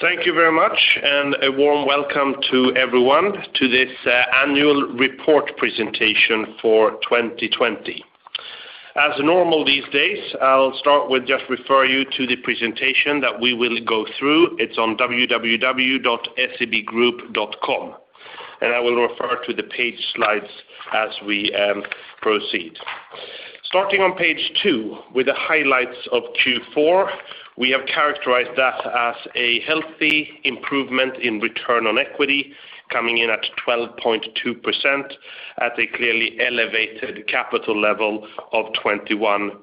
Thank you very much, and a warm welcome to everyone to this annual report presentation for 2020. As normal these days, I'll start with just refer you to the presentation that we will go through. It's on www.sebgroup.com. I will refer to the page two slides as we proceed. Starting on page two with the highlights of Q4, we have characterized that as a healthy improvement in return on equity, coming in at 12.2% at a clearly elevated capital level of 21%.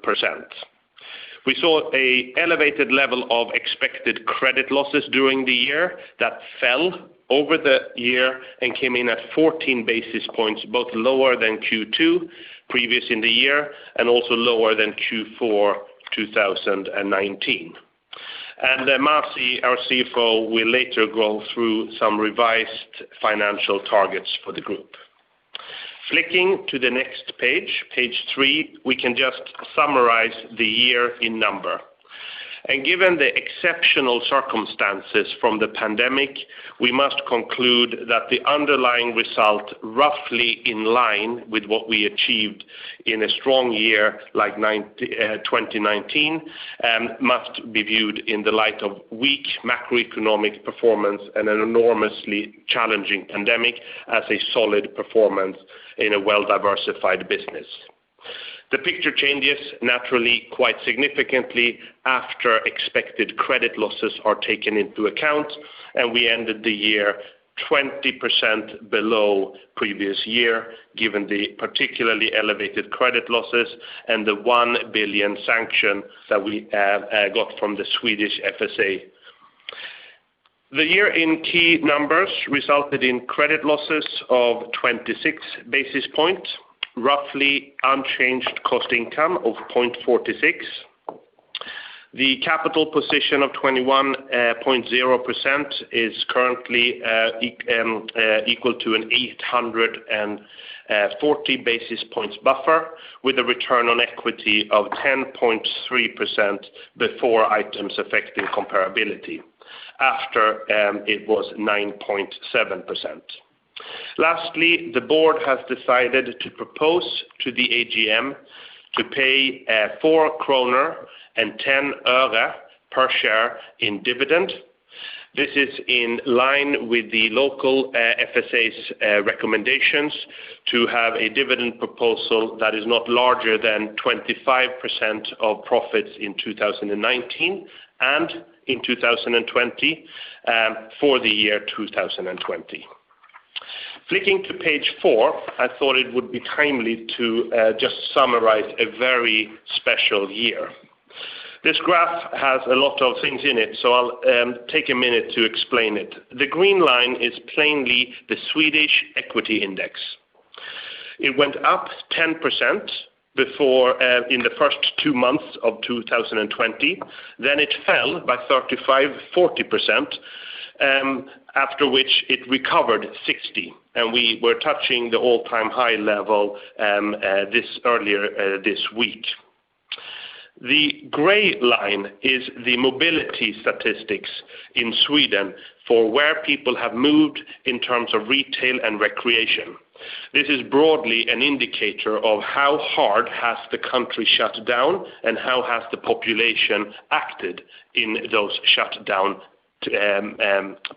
We saw an elevated level of expected credit losses during the year that fell over the year and came in at 14 basis points, both lower than Q2, previous in the year, and also lower than Q4 2019. Masih, our CFO, will later go through some revised financial targets for the group. Flicking to the next page three, we can just summarize the year in number. Given the exceptional circumstances from the pandemic, we must conclude that the underlying result, roughly in line with what we achieved in a strong year like 2019, must be viewed in the light of weak macroeconomic performance and an enormously challenging pandemic as a solid performance in a well-diversified business. The picture changes naturally quite significantly after expected credit losses are taken into account. We ended the year 20% below previous year, given the particularly elevated credit losses and the 1 billion sanction that we got from the Swedish FSA. The year in key numbers resulted in credit losses of 26 basis points, roughly unchanged cost income of 0.46. The capital position of 21.0% is currently equal to an 840 basis points buffer with a return on equity of 10.3% before items affecting comparability. After, it was 9.7%. Lastly, the board has decided to propose to the AGM to pay SEK 4.10 per share in dividend. This is in line with the local FSA's recommendations to have a dividend proposal that is not larger than 25% of profits in 2019 and in 2020 for the year 2020. Flicking to page four, I thought it would be timely to just summarize a very special year. This graph has a lot of things in it, so I'll take a minute to explain it. The green line is plainly the Swedish equity index. It went up 10% in the first two months of 2020, then it fell by 35%, 40%, after which it recovered 60%, and we were touching the all-time high level earlier this week. The gray line is the mobility statistics in Sweden for where people have moved in terms of retail and recreation. This is broadly an indicator of how hard has the country shut down and how has the population acted in those shutdown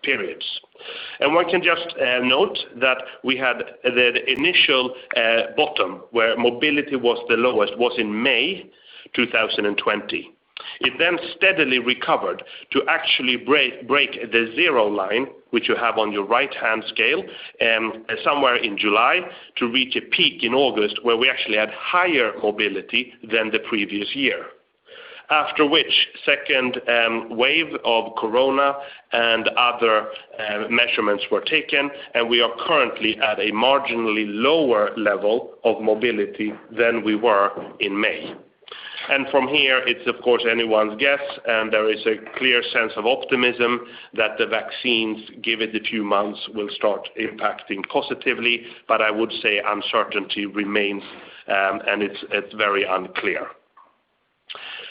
periods. One can just note that we had the initial bottom where mobility was the lowest was in May 2020. It then steadily recovered to actually break the zero line, which you have on your right-hand scale, somewhere in July to reach a peak in August where we actually had higher mobility than the previous year. After which, second wave of corona and other measurements were taken, and we are currently at a marginally lower level of mobility than we were in May. From here, it's of course anyone's guess, and there is a clear sense of optimism that the vaccines, given the few months, will start impacting positively, but I would say uncertainty remains, and it's very unclear.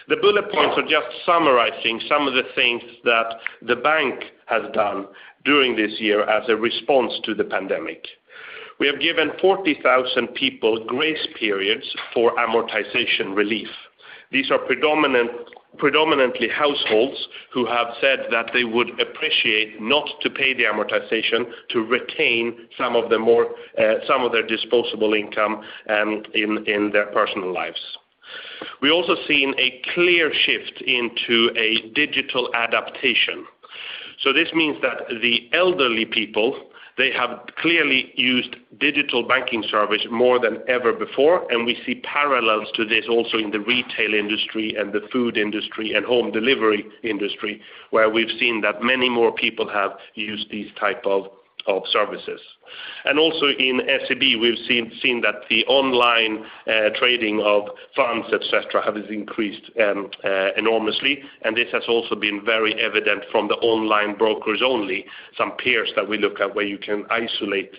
The bullet points are just summarizing some of the things that the bank has done during this year as a response to the pandemic. We have given 40,000 people grace periods for amortization relief. These are predominantly households who have said that they would appreciate not to pay the amortization to retain some of their disposable income in their personal lives. We also seen a clear shift into a digital adaptation. This means that the elderly people, they have clearly used digital banking service more than ever before. We see parallels to this also in the retail industry and the food industry and home delivery industry, where we've seen that many more people have used these type of services. Also in SEB, we've seen that the online trading of funds, et cetera, has increased enormously, and this has also been very evident from the online brokers only, some peers that we look at where you can isolate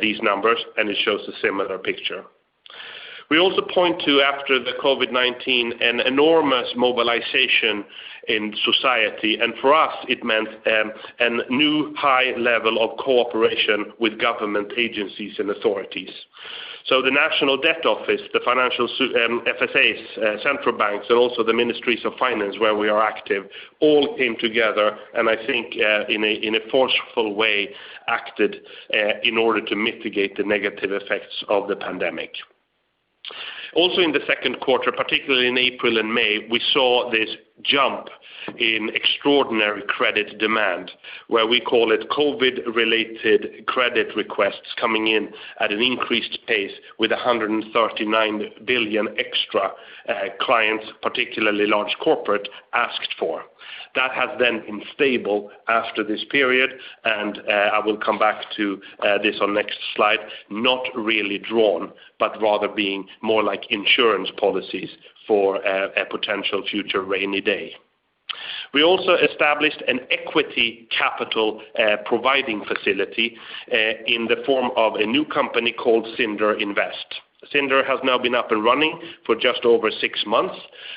these numbers, and it shows a similar picture. We also point to after the COVID-19, an enormous mobilization in society. For us it meant a new high level of cooperation with government agencies and authorities. The National Debt Office, the FSAs, central banks, and also the Ministries of Finance where we are active, all came together and I think in a forceful way acted in order to mitigate the negative effects of the pandemic. Also in the second quarter, particularly in April and May, we saw this jump in extraordinary credit demand, where we call it COVID-related credit requests coming in at an increased pace with 139 billion extra clients, particularly large corporate, asked for. That has then been stable after this period, and I will come back to this on next slide. Not really drawn, but rather being more like insurance policies for a potential future rainy day. We also established an equity capital providing facility in the form of a new company called Sindre Invest. Sindre has now been up and running for just over six months,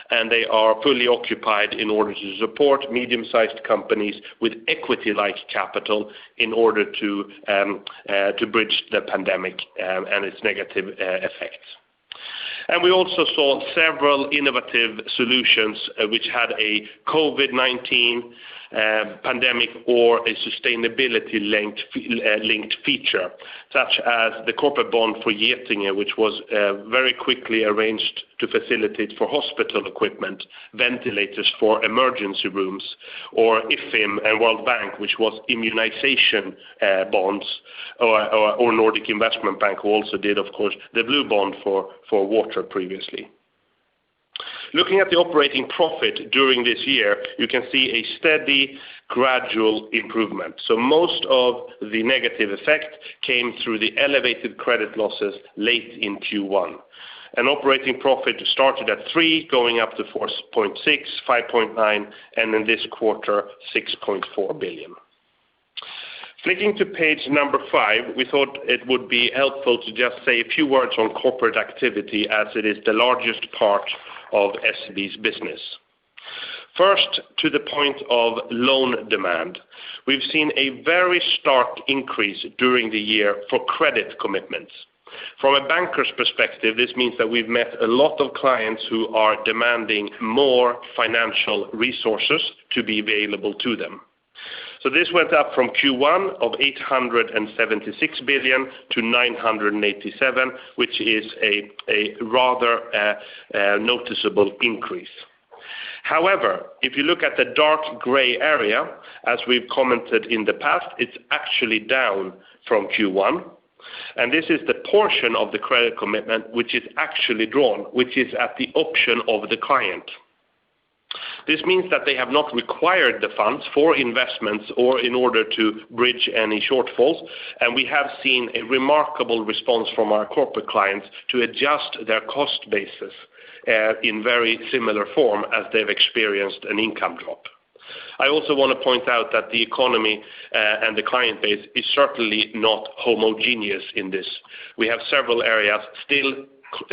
and they are fully occupied in order to support medium-sized companies with equity-like capital in order to bridge the COVID-19 pandemic and its negative effects. We also saw several innovative solutions which had a COVID-19 pandemic or a sustainability-linked feature, such as the corporate bond for Getinge, which was very quickly arranged to facilitate for hospital equipment, ventilators for emergency rooms, or IFFIm and World Bank, which was immunization bonds or Nordic Investment Bank, who also did, of course, the blue bond for water previously. Looking at the operating profit during this year, you can see a steady gradual improvement. Most of the negative effect came through the elevated credit losses late in Q1. Operating profit started at 3 billion going up to 4.6 billion, 5.9 billion, and in this quarter, 6.4 billion. Flicking to page number five, we thought it would be helpful to just say a few words on corporate activity as it is the largest part of SEB's business. First, to the point of loan demand. We've seen a very stark increase during the year for credit commitments. From a banker's perspective, this means that we've met a lot of clients who are demanding more financial resources to be available to them. This went up from Q1 of 876 billion to 987 billion, which is a rather noticeable increase. However, if you look at the dark gray area, as we've commented in the past, it's actually down from Q1, and this is the portion of the credit commitment which is actually drawn, which is at the option of the client. This means that they have not required the funds for investments or in order to bridge any shortfalls, and we have seen a remarkable response from our corporate clients to adjust their cost basis in very similar form as they've experienced an income drop. I also want to point out that the economy and the client base is certainly not homogeneous in this. We have several areas still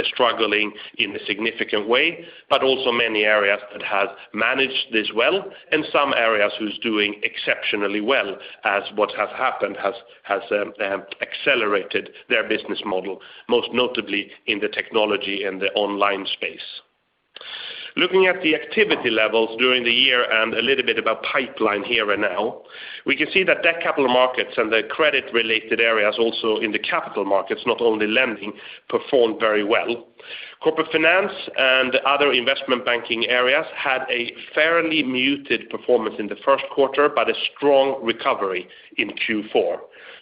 struggling in a significant way, but also many areas that have managed this well and some areas who's doing exceptionally well as what has happened has accelerated their business model, most notably in the technology and the online space. Looking at the activity levels during the year and a little bit about pipeline here and now, we can see that capital markets and the credit-related areas also in the capital markets, not only lending, performed very well. Corporate finance and other investment banking areas had a fairly muted performance in the first quarter, a strong recovery in Q4.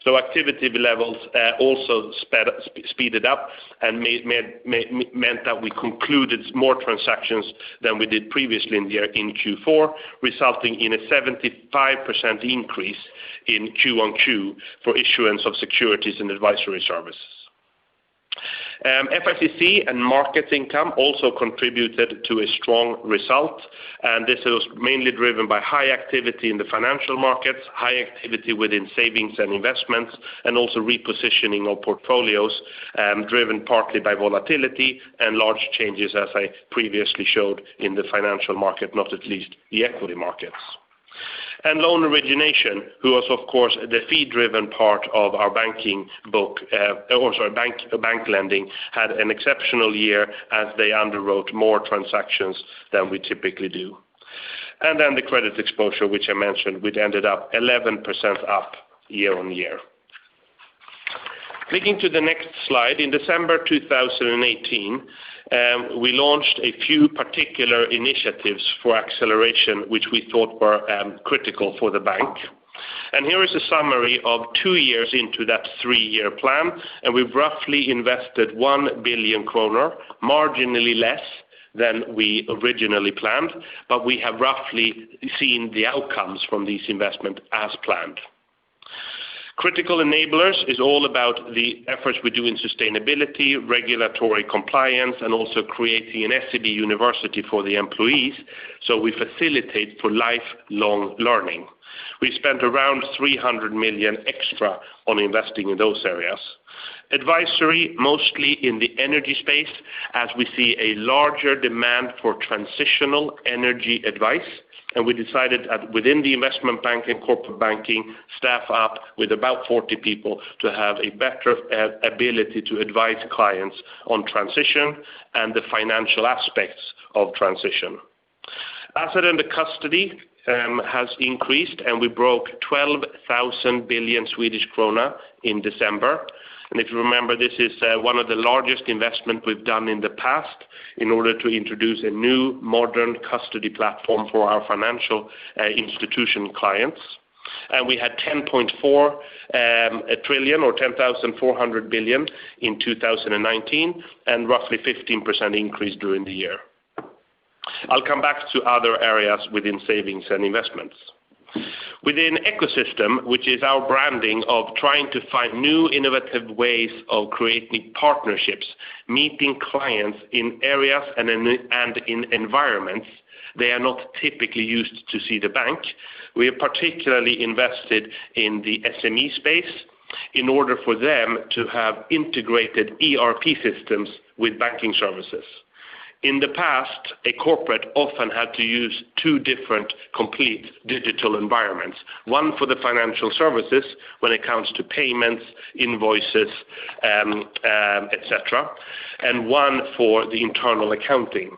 Activity levels also speeded up and meant that we concluded more transactions than we did previously in the year in Q4, resulting in a 75% increase in Q1Q for issuance of securities and advisory services. FICC and markets income also contributed to a strong result, this was mainly driven by high activity in the financial markets, high activity within savings and investments, and also repositioning of portfolios driven partly by volatility and large changes, as I previously showed in the financial market, not least the equity markets. Loan origination, who was of course the fee-driven part of our banking book, or sorry, bank lending, had an exceptional year as they underwrote more transactions than we typically do. The credit exposure, which I mentioned, we'd ended up 11% up year-on-year. Clicking to the next slide, in December 2018 we launched a few particular initiatives for acceleration, which we thought were critical for the bank. Here is a summary of two years into that three-year plan. We've roughly invested 1 billion kronor, marginally less than we originally planned. We have roughly seen the outcomes from these investments as planned. Critical enablers is all about the efforts we do in sustainability, regulatory compliance, and also creating an SEB university for the employees so we facilitate for lifelong learning. We spent around 300 million extra on investing in those areas. Advisory, mostly in the energy space, as we see a larger demand for transitional energy advice. We decided within the investment bank and corporate banking staff up with about 40 people to have a better ability to advise clients on transition and the financial aspects of transition. Asset under custody has increased, we broke 12,000 billion Swedish krona in December. If you remember, this is one of the largest investment we've done in the past in order to introduce a new modern custody platform for our financial institution clients. We had 10.4 trillion or 10,400 billion in 2019 and roughly 15% increase during the year. I'll come back to other areas within savings and investments. Within Ecosystem, which is our branding of trying to find new innovative ways of creating partnerships, meeting clients in areas and in environments they are not typically used to see the bank. We have particularly invested in the SME space in order for them to have integrated ERP systems with banking services. In the past, a corporate often had to use two different complete digital environments. One for the financial services when it comes to payments, invoices, et cetera, and one for the internal accounting.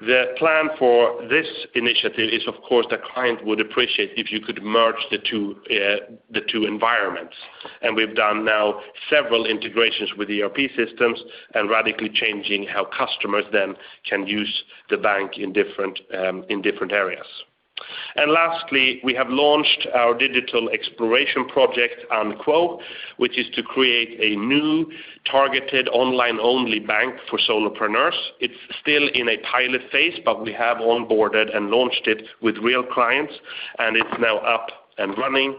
The plan for this initiative is, of course, the client would appreciate if you could merge the two environments. We've done now several integrations with ERP systems and radically changing how customers then can use the bank in different areas. Lastly, we have launched our digital exploration project, UNQUO, which is to create a new targeted online-only bank for solopreneurs. It's still in a pilot phase, but we have onboarded and launched it with real clients, and it's now up and running.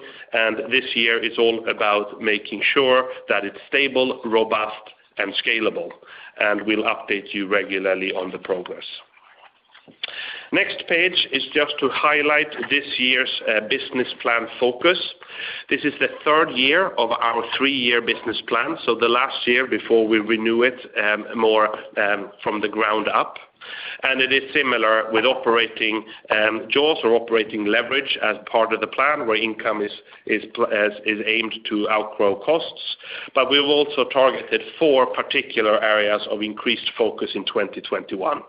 This year is all about making sure that it's stable, robust, and scalable. We'll update you regularly on the progress. Next page is just to highlight this year's business plan focus. This is the third year of our three-year business plan. The last year before we renew it more from the ground up. It is similar with operating jaws or operating leverage as part of the plan where income is aimed to outgrow costs. We've also targeted four particular areas of increased focus in 2021.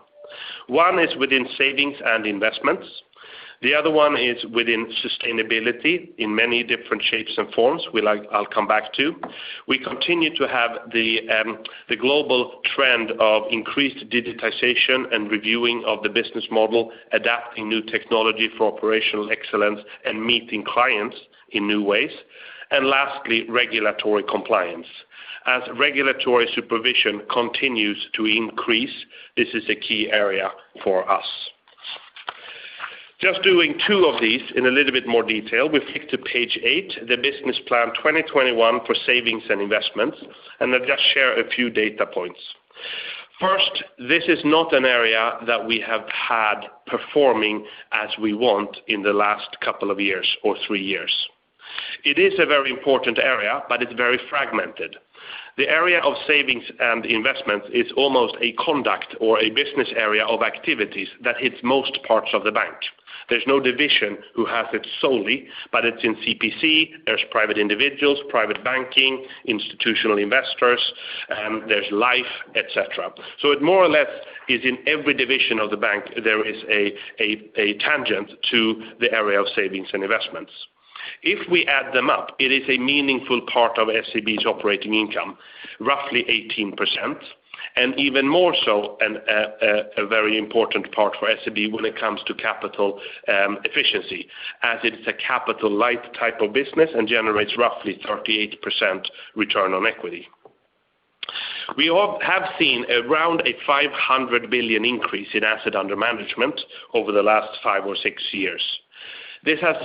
One is within savings and investments. The other one is within sustainability in many different shapes and forms, which I'll come back to. We continue to have the global trend of increased digitization and reviewing of the business model, adapting new technology for operational excellence, and meeting clients in new ways. Lastly, regulatory compliance. As regulatory supervision continues to increase, this is a key area for us. Just doing two of these in a little bit more detail. We flip to page eight, the business plan 2021 for savings and investments, and I'll just share a few data points. First, this is not an area that we have had performing as we want in the last couple of years or three years. It is a very important area, but it's very fragmented. The area of savings and investments is almost a conduct or a business area of activities that hits most parts of the bank. There's no division who has it solely, but it's in C&PC, there's private individuals, private banking, institutional investors, there's life, et cetera. It more or less is in every division of the bank, there is a tangent to the area of savings and investments. If we add them up, it is a meaningful part of SEB's operating income, roughly 18%, and even more so a very important part for SEB when it comes to capital efficiency, as it's a capital-light type of business and generates roughly 38% return on equity. We have seen around a 500 billion increase in asset under management over the last five or six years. This has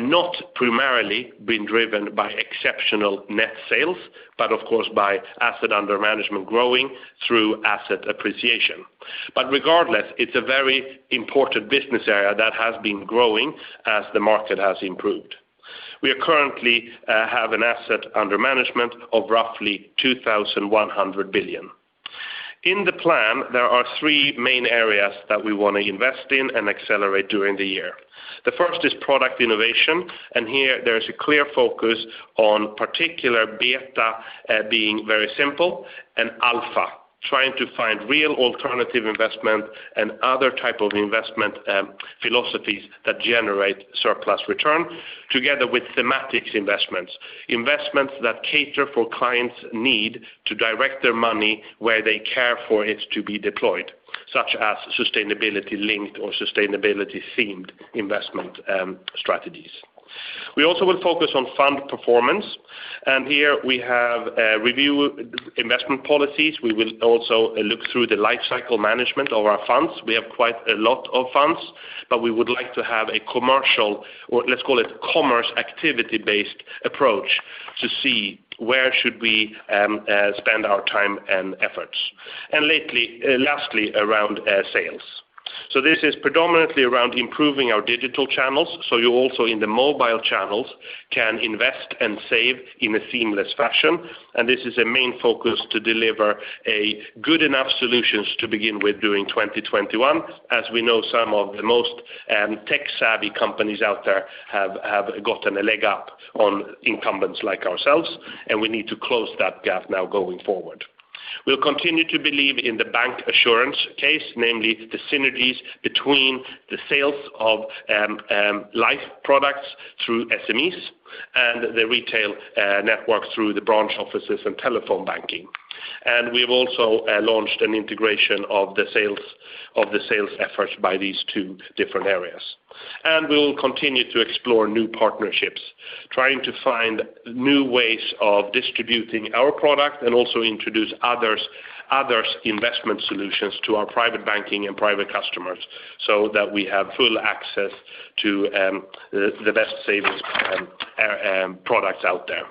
not primarily been driven by exceptional net sales, of course by asset under management growing through asset appreciation. Regardless, it's a very important business area that has been growing as the market has improved. We currently have an asset under management of roughly 2,100 billion. In the plan, there are three main areas that we want to invest in and accelerate during the year. The first is product innovation, and here there is a clear focus on particular beta being very simple and alpha, trying to find real alternative investment and other type of investment philosophies that generate surplus return together with thematic investments. Investments that cater for clients' need to direct their money where they care for it to be deployed, such as sustainability-linked or sustainability-themed investment strategies. We also will focus on fund performance, and here we have review investment policies. We will also look through the lifecycle management of our funds. We have quite a lot of funds, we would like to have a commercial, or let's call it commerce activity-based approach to see where should we spend our time and efforts. Lastly, around sales. This is predominantly around improving our digital channels. You also in the mobile channels can invest and save in a seamless fashion. This is a main focus to deliver a good enough solution to begin with during 2021. As we know, some of the most tech-savvy companies out there have gotten a leg up on incumbents like ourselves, and we need to close that gap now going forward. We'll continue to believe in the bank assurance case, namely the synergies between the sales of life products through SMEs and the retail network through the branch offices and telephone banking. We've also launched an integration of the sales efforts by these two different areas. We will continue to explore new partnerships, trying to find new ways of distributing our product and also introduce others' investment solutions to our private banking and private customers so that we have full access to the best savings products out there.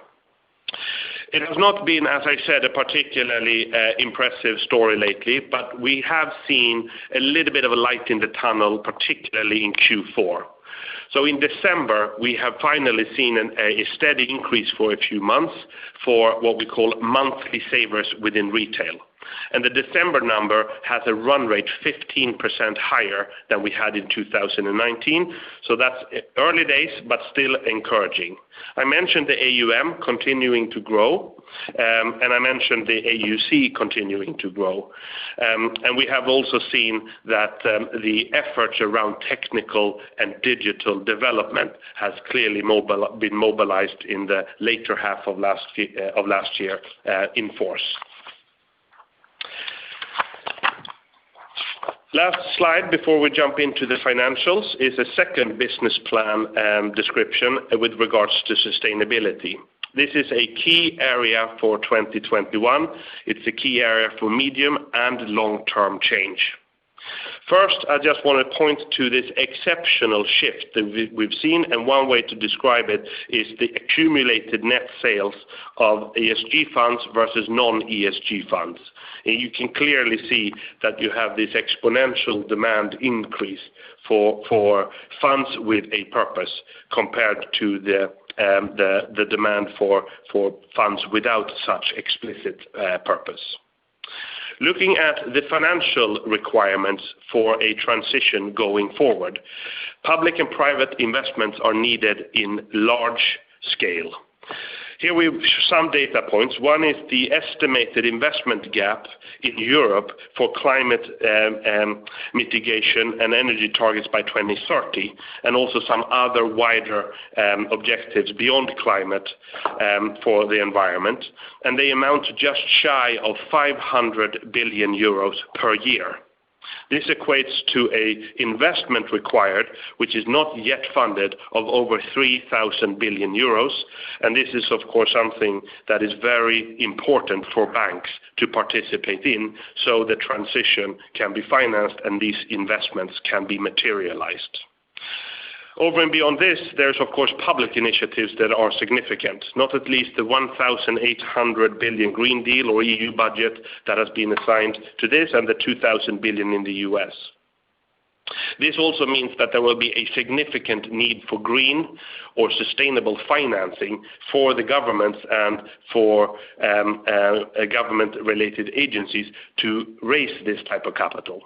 It has not been, as I said, a particularly impressive story lately, but we have seen a little bit of a light in the tunnel, particularly in Q4. In December, we have finally seen a steady increase for a few months for what we call monthly savers within Retail. The December number has a run rate 15% higher than we had in 2019. That's early days, but still encouraging. I mentioned the AUM continuing to grow, and I mentioned the AUC continuing to grow. We have also seen that the efforts around technical and digital development has clearly been mobilized in the later half of last year in force. Last slide before we jump into the financials is a second business plan description with regards to sustainability. This is a key area for 2021. It's a key area for medium and long-term change. First, I just want to point to this exceptional shift that we've seen, and one way to describe it is the accumulated net sales of ESG funds versus non-ESG funds. You can clearly see that you have this exponential demand increase for funds with a purpose compared to the demand for funds without such explicit purpose. Looking at the financial requirements for a transition going forward, public and private investments are needed in large scale. Here we have some data points. One is the estimated investment gap in Europe for climate mitigation and energy targets by 2030, and also some other wider objectives beyond climate for the environment. They amount to just shy of 500 billion euros per year. This equates to an investment required, which is not yet funded, of over 3,000 billion euros. This is, of course, something that is very important for banks to participate in so the transition can be financed and these investments can be materialized. Over and beyond this, there's, of course, public initiatives that are significant not at least the 1,800 billion European Green Deal or EU budget that has been assigned to this and the $2,000 billion in the U.S. This also means that there will be a significant need for green or sustainable financing for the governments and for government-related agencies to raise this type of capital.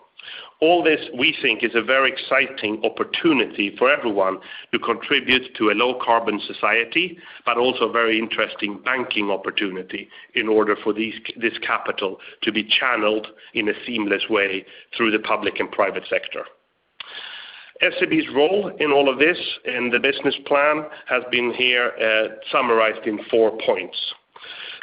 All this, we think, is a very exciting opportunity for everyone to contribute to a low carbon society, but also a very interesting banking opportunity in order for this capital to be channeled in a seamless way through the public and private sector. SEB's role in all of this in the business plan has been here summarized in four points.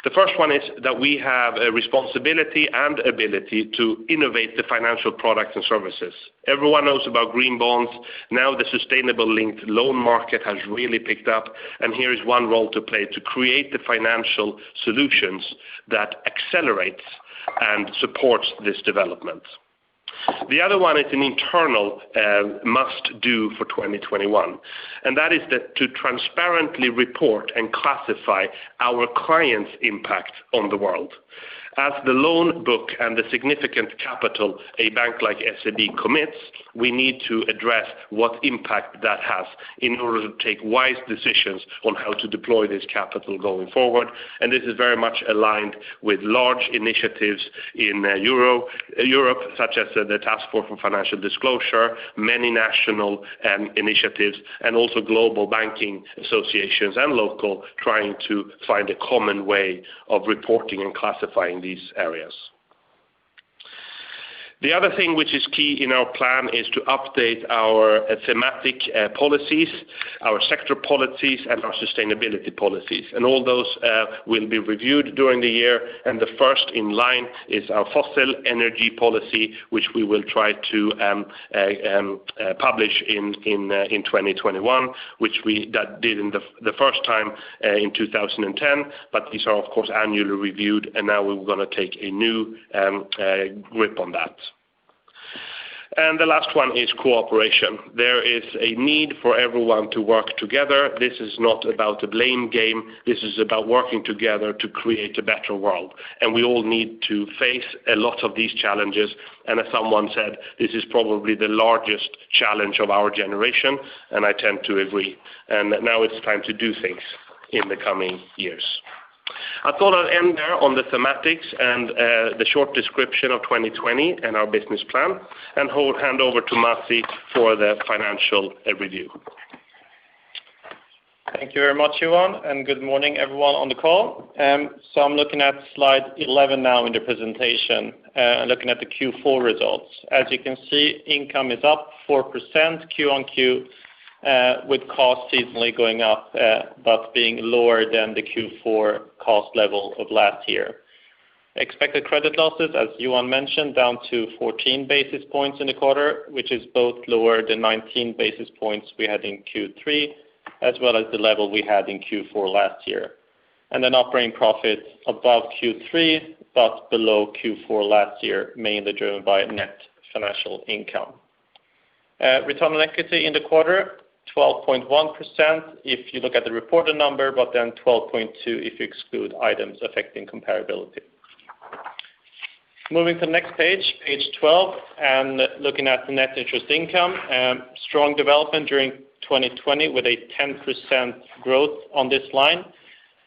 The first one is that we have a responsibility and ability to innovate the financial products and services. Everyone knows about green bonds. Now the sustainable linked loan market has really picked up, and here is one role to play to create the financial solutions that accelerate and support this development. The other one is an internal must-do for 2021, and that is to transparently report and classify our clients' impact on the world. As the loan book and the significant capital a bank like SEB commits, we need to address what impact that has in order to take wise decisions on how to deploy this capital going forward. This is very much aligned with large initiatives in Europe such as the Task Force for Financial Disclosure, many national initiatives, and also global banking associations and local trying to find a common way of reporting and classifying these areas. The other thing which is key in our plan is to update our thematic policies, our sector policies, and our sustainability policies. All those will be reviewed during the year. The first in line is our fossil energy policy, which we will try to publish in 2021, which we did the first time in 2010. These are, of course, annually reviewed, and now we're going to take a new grip on that. The last one is cooperation. There is a need for everyone to work together. This is not about a blame game. This is about working together to create a better world. We all need to face a lot of these challenges. As someone said, this is probably the largest challenge of our generation, and I tend to agree. Now it's time to do things in the coming years. I thought I'd end there on the thematic and the short description of 2020 and our business plan, and hand over to Masih for the financial review. Thank you very much, Johan. Good morning everyone on the call. I'm looking at slide 11 now in the presentation, looking at the Q4 results. As you can see, income is up 4% Q-o-Q, with cost seasonally going up, but being lower than the Q4 cost level of last year. Expected credit losses, as Johan mentioned, down to 14 basis points in the quarter, which is both lower than 19 basis points we had in Q3, as well as the level we had in Q4 last year. Operating profits above Q3, but below Q4 last year, mainly driven by net financial income. Return on equity in the quarter, 12.1% if you look at the reported number, but then 12.2% if you exclude items affecting comparability. Moving to the next page 12, and looking at the net interest income. Strong development during 2020 with a 10% growth on this line.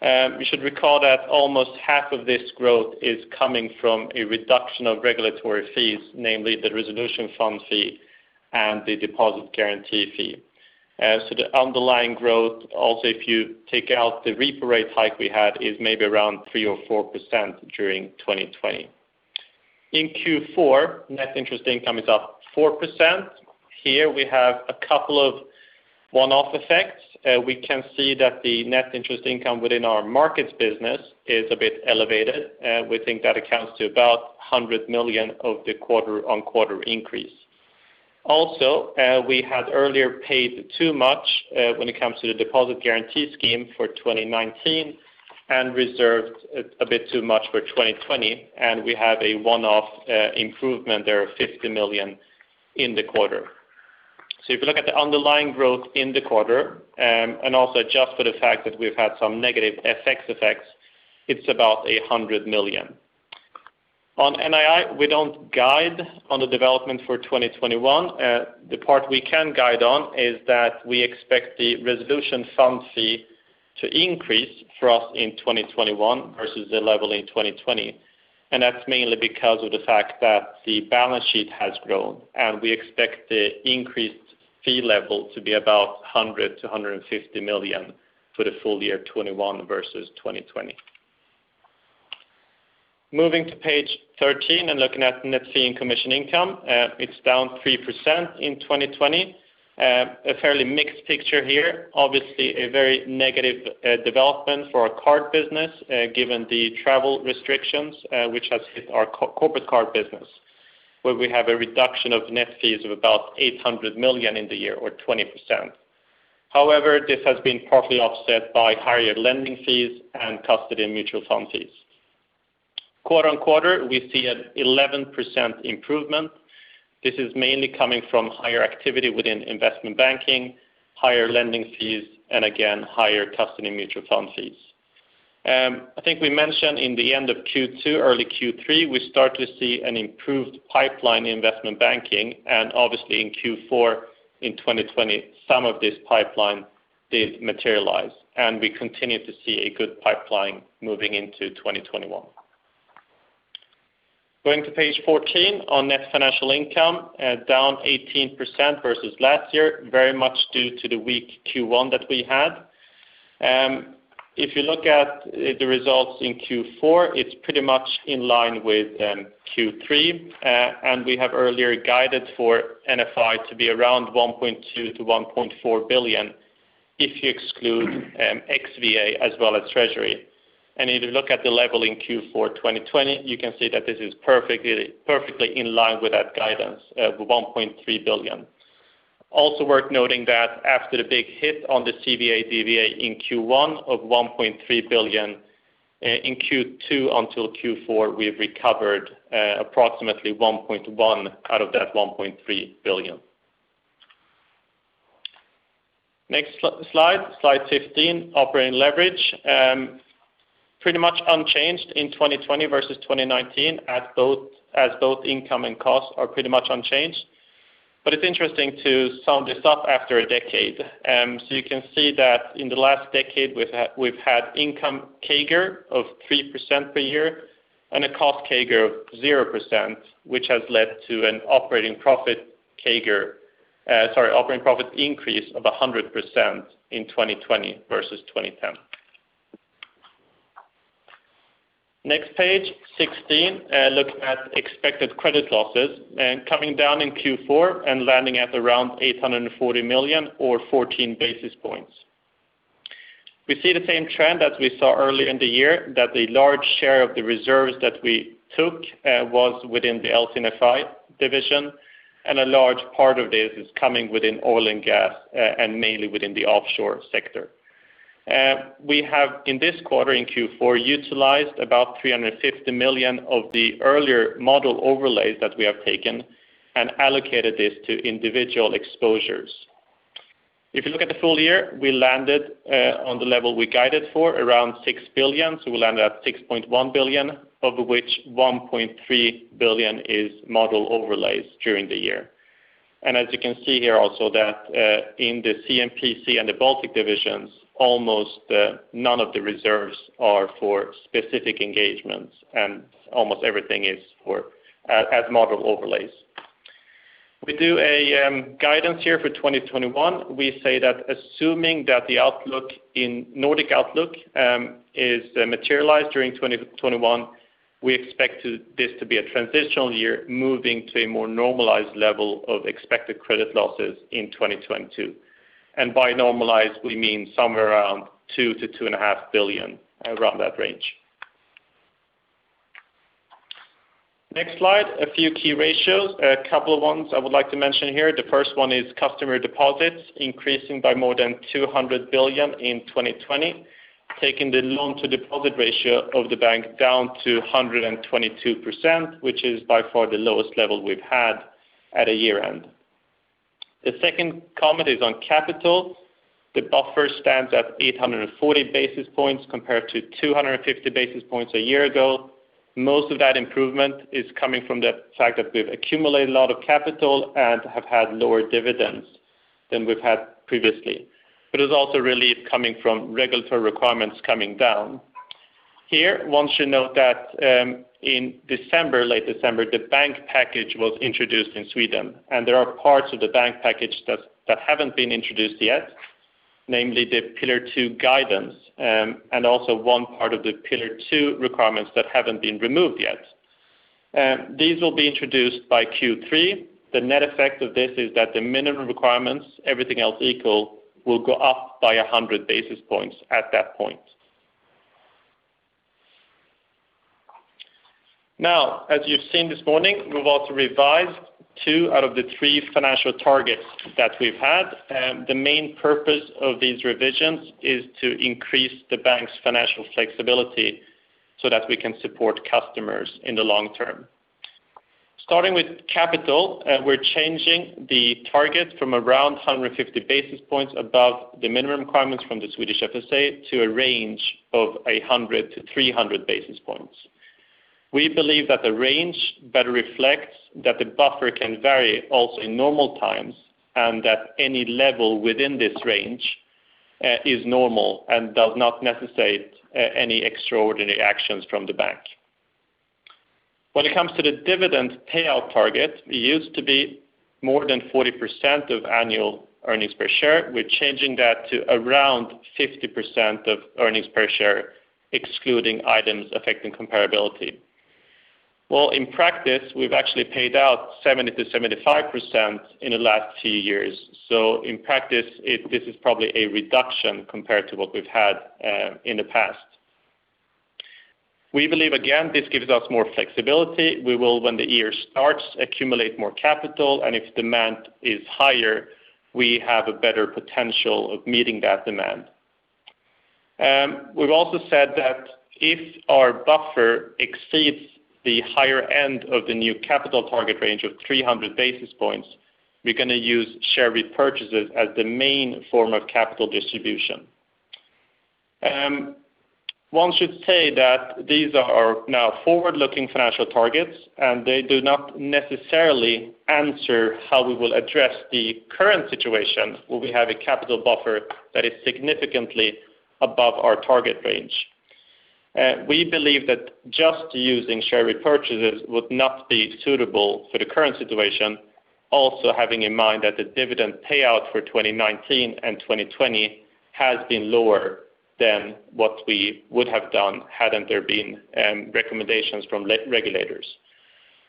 You should recall that almost half of this growth is coming from a reduction of regulatory fees, namely the resolution fund fee and the deposit guarantee fee. The underlying growth, also, if you take out the repo rate hike we had, is maybe around 3% or 4% during 2020. In Q4, net interest income is up 4%. Here we have a couple of one-off effects. We can see that the net interest income within our markets business is a bit elevated. We think that accounts to about 100 million of the quarter-on-quarter increase. We had earlier paid too much when it comes to the deposit guarantee scheme for 2019 and reserved a bit too much for 2020, and we have a one-off improvement there of 50 million in the quarter. If you look at the underlying growth in the quarter, and also adjust for the fact that we've had some negative FX effects, it's about 100 million. On NII, we don't guide on the development for 2021. The part we can guide on is that we expect the resolution fund fee to increase for us in 2021 versus the level in 2020. That's mainly because of the fact that the balance sheet has grown, and we expect the increased fee level to be about 100 million-150 million for the full-year 2021 versus 2020. Moving to page 13 and looking at net fee and commission income. It's down 3% in 2020. A fairly mixed picture here. Obviously, a very negative development for our card business given the travel restrictions which has hit our corporate card business, where we have a reduction of net fees of about 800 million in the year, or 20%. However, this has been partly offset by higher lending fees and custody and mutual fund fees. Quarter-on-quarter, we see an 11% improvement. This is mainly coming from higher activity within investment banking, higher lending fees, and again, higher custody and mutual fund fees. I think we mentioned in the end of Q2, early Q3, we start to see an improved pipeline investment banking. Obviously in Q4 in 2020, some of this pipeline did materialize. We continue to see a good pipeline moving into 2021. Going to page 14 on net financial income, down 18% versus last year, very much due to the weak Q1 that we had. If you look at the results in Q4, it's pretty much in line with Q3. We have earlier guided for NFI to be around 1.2 billion-1.4 billion if you exclude xVA as well as Treasury. If you look at the level in Q4 2020, you can see that this is perfectly in line with that guidance of 1.3 billion. Also worth noting that after the big hit on the CVA/DVA in Q1 of 1.3 billion, in Q2 until Q4, we've recovered approximately 1.1 out of that 1.3 billion. Next slide 15, operating leverage. Pretty much unchanged in 2020 versus 2019 as both income and cost are pretty much unchanged. It's interesting to sum this up after a decade. You can see that in the last decade we've had income CAGR of 3% per year and a cost CAGR of 0%, which has led to an operating profit increase of 100% in 2020 versus 2010. Next page, 16, look at expected credit losses. Coming down in Q4 and landing at around 840 million or 14 basis points. We see the same trend that we saw earlier in the year, that the large share of the reserves that we took was within the LC&FI division, and a large part of this is coming within oil and gas, and mainly within the offshore sector. We have in this quarter, in Q4, utilized about 350 million of the earlier model overlays that we have taken and allocated this to individual exposures. If you look at the full-year, we landed on the level we guided for around 6 billion. We land at 6.1 billion, of which 1.3 billion is model overlays during the year. As you can see here also that in the C&PC and the Baltic divisions, almost none of the reserves are for specific engagements, and almost everything is as model overlays. We do a guidance here for 2021. We say that assuming that the Nordic Outlook is materialized during 2021, we expect this to be a transitional year, moving to a more normalized level of expected credit losses in 2022. By normalized, we mean somewhere around 2 billion-2.5 billion around that range. Next slide, a few key ratios. A couple of ones I would like to mention here. The first one is customer deposits increasing by more than 200 billion in 2020, taking the loan-to-deposit ratio of the bank down to 122%, which is by far the lowest level we've had at a year-end. The second comment is on capital. The buffer stands at 840 basis points compared to 250 basis points a year ago. Most of that improvement is coming from the fact that we've accumulated a lot of capital and have had lower dividends than we've had previously. It's also relief coming from regulatory requirements coming down. Here, one should note that in late December, the banking package was introduced in Sweden, and there are parts of the banking package that haven't been introduced yet, namely the Pillar 2 guidance, and also one part of the Pillar 2 requirements that haven't been removed yet. These will be introduced by Q3. The net effect of this is that the minimum requirements, everything else equal, will go up by 100 basis points at that point. As you've seen this morning, we've also revised two out of the three financial targets that we've had. The main purpose of these revisions is to increase the bank's financial flexibility so that we can support customers in the long-term. Starting with capital, we're changing the target from around 150 basis points above the minimum requirements from the Swedish FSA to a range of 100-300 basis points. We believe that the range better reflects that the buffer can vary also in normal times, and that any level within this range is normal and does not necessitate any extraordinary actions from the bank. When it comes to the dividend payout target, it used to be more than 40% of annual earnings per share. We're changing that to around 50% of earnings per share, excluding items affecting comparability. Well, in practice, we've actually paid out 70%-75% in the last two years. In practice, this is probably a reduction compared to what we've had in the past. We believe, again, this gives us more flexibility. We will, when the year starts, accumulate more capital, and if demand is higher, we have a better potential of meeting that demand. We've also said that if our buffer exceeds the higher end of the new capital target range of 300 basis points, we're going to use share repurchases as the main form of capital distribution. One should say that these are now forward-looking financial targets, and they do not necessarily answer how we will address the current situation, where we have a capital buffer that is significantly above our target range. We believe that just using share repurchases would not be suitable for the current situation, also having in mind that the dividend payout for 2019 and 2020 has been lower than what we would have done hadn't there been recommendations from regulators.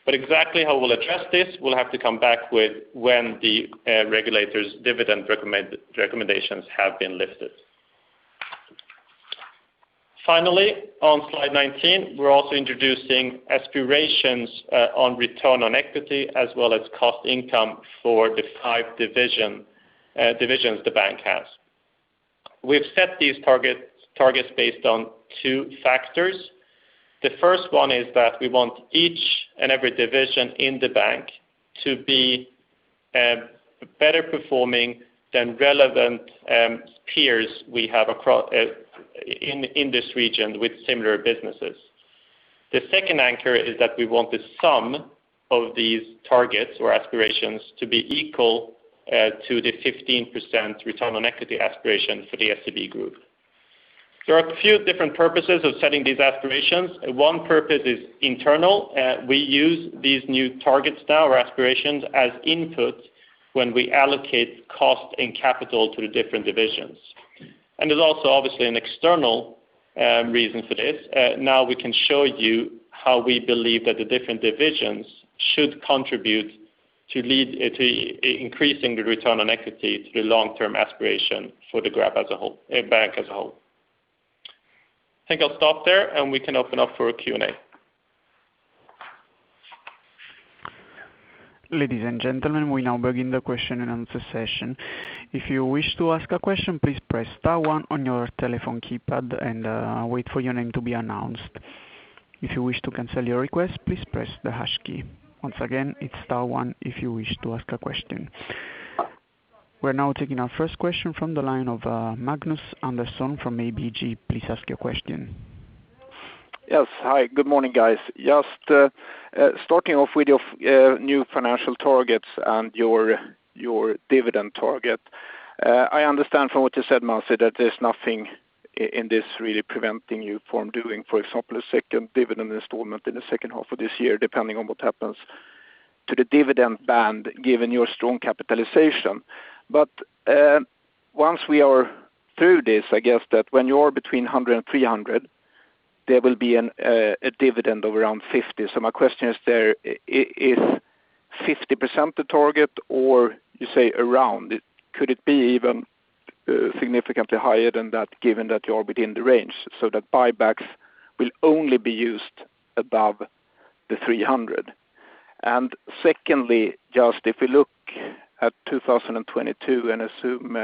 Exactly how we'll address this, we'll have to come back with when the regulators' dividend recommendations have been lifted. Finally, on slide 19, we're also introducing aspirations on return on equity as well as cost income for the five divisions the bank has. We've set these targets based on two factors. The first one is that we want each and every division in the bank to be better performing than relevant peers we have in this region with similar businesses. The second anchor is that we want the sum of these targets or aspirations to be equal to the 15% return on equity aspiration for the SEB Group. There are a few different purposes of setting these aspirations. One purpose is internal. We use these new targets now or aspirations as input when we allocate cost and capital to the different divisions. There's also obviously an external reason for this. Now we can show you how we believe that the different divisions should contribute to increasing the return on equity to the long-term aspiration for the bank as a whole. I think I'll stop there, and we can open up for a Q&A. Ladies and gentlemen, we now begin the question-and-answer session. If you wish to ask a question, please press star one on your telephone keypad and wait for your name to be announced. If you wish to cancel your request, please press the hash key. Once again, it's star one if you wish to ask a question. We're now taking our first question from the line of Magnus Andersson from ABG. Please ask your question. Yes. Hi, good morning, guys. Starting off with your new financial targets and your dividend target. I understand from what you said, Magnus, that there is nothing in this really preventing you from doing, for example, a second dividend installment in the second half of this year, depending on what happens to the dividend band, given your strong capitalization. Once we are through this, I guess that when you are between 100 and 300, there will be a dividend of around 50%. My question is 50% the target or you say around it? Could it be even significantly higher than that, given that you are within the range so that buybacks will only be used above the 300? Secondly, just if we look at 2022 and assume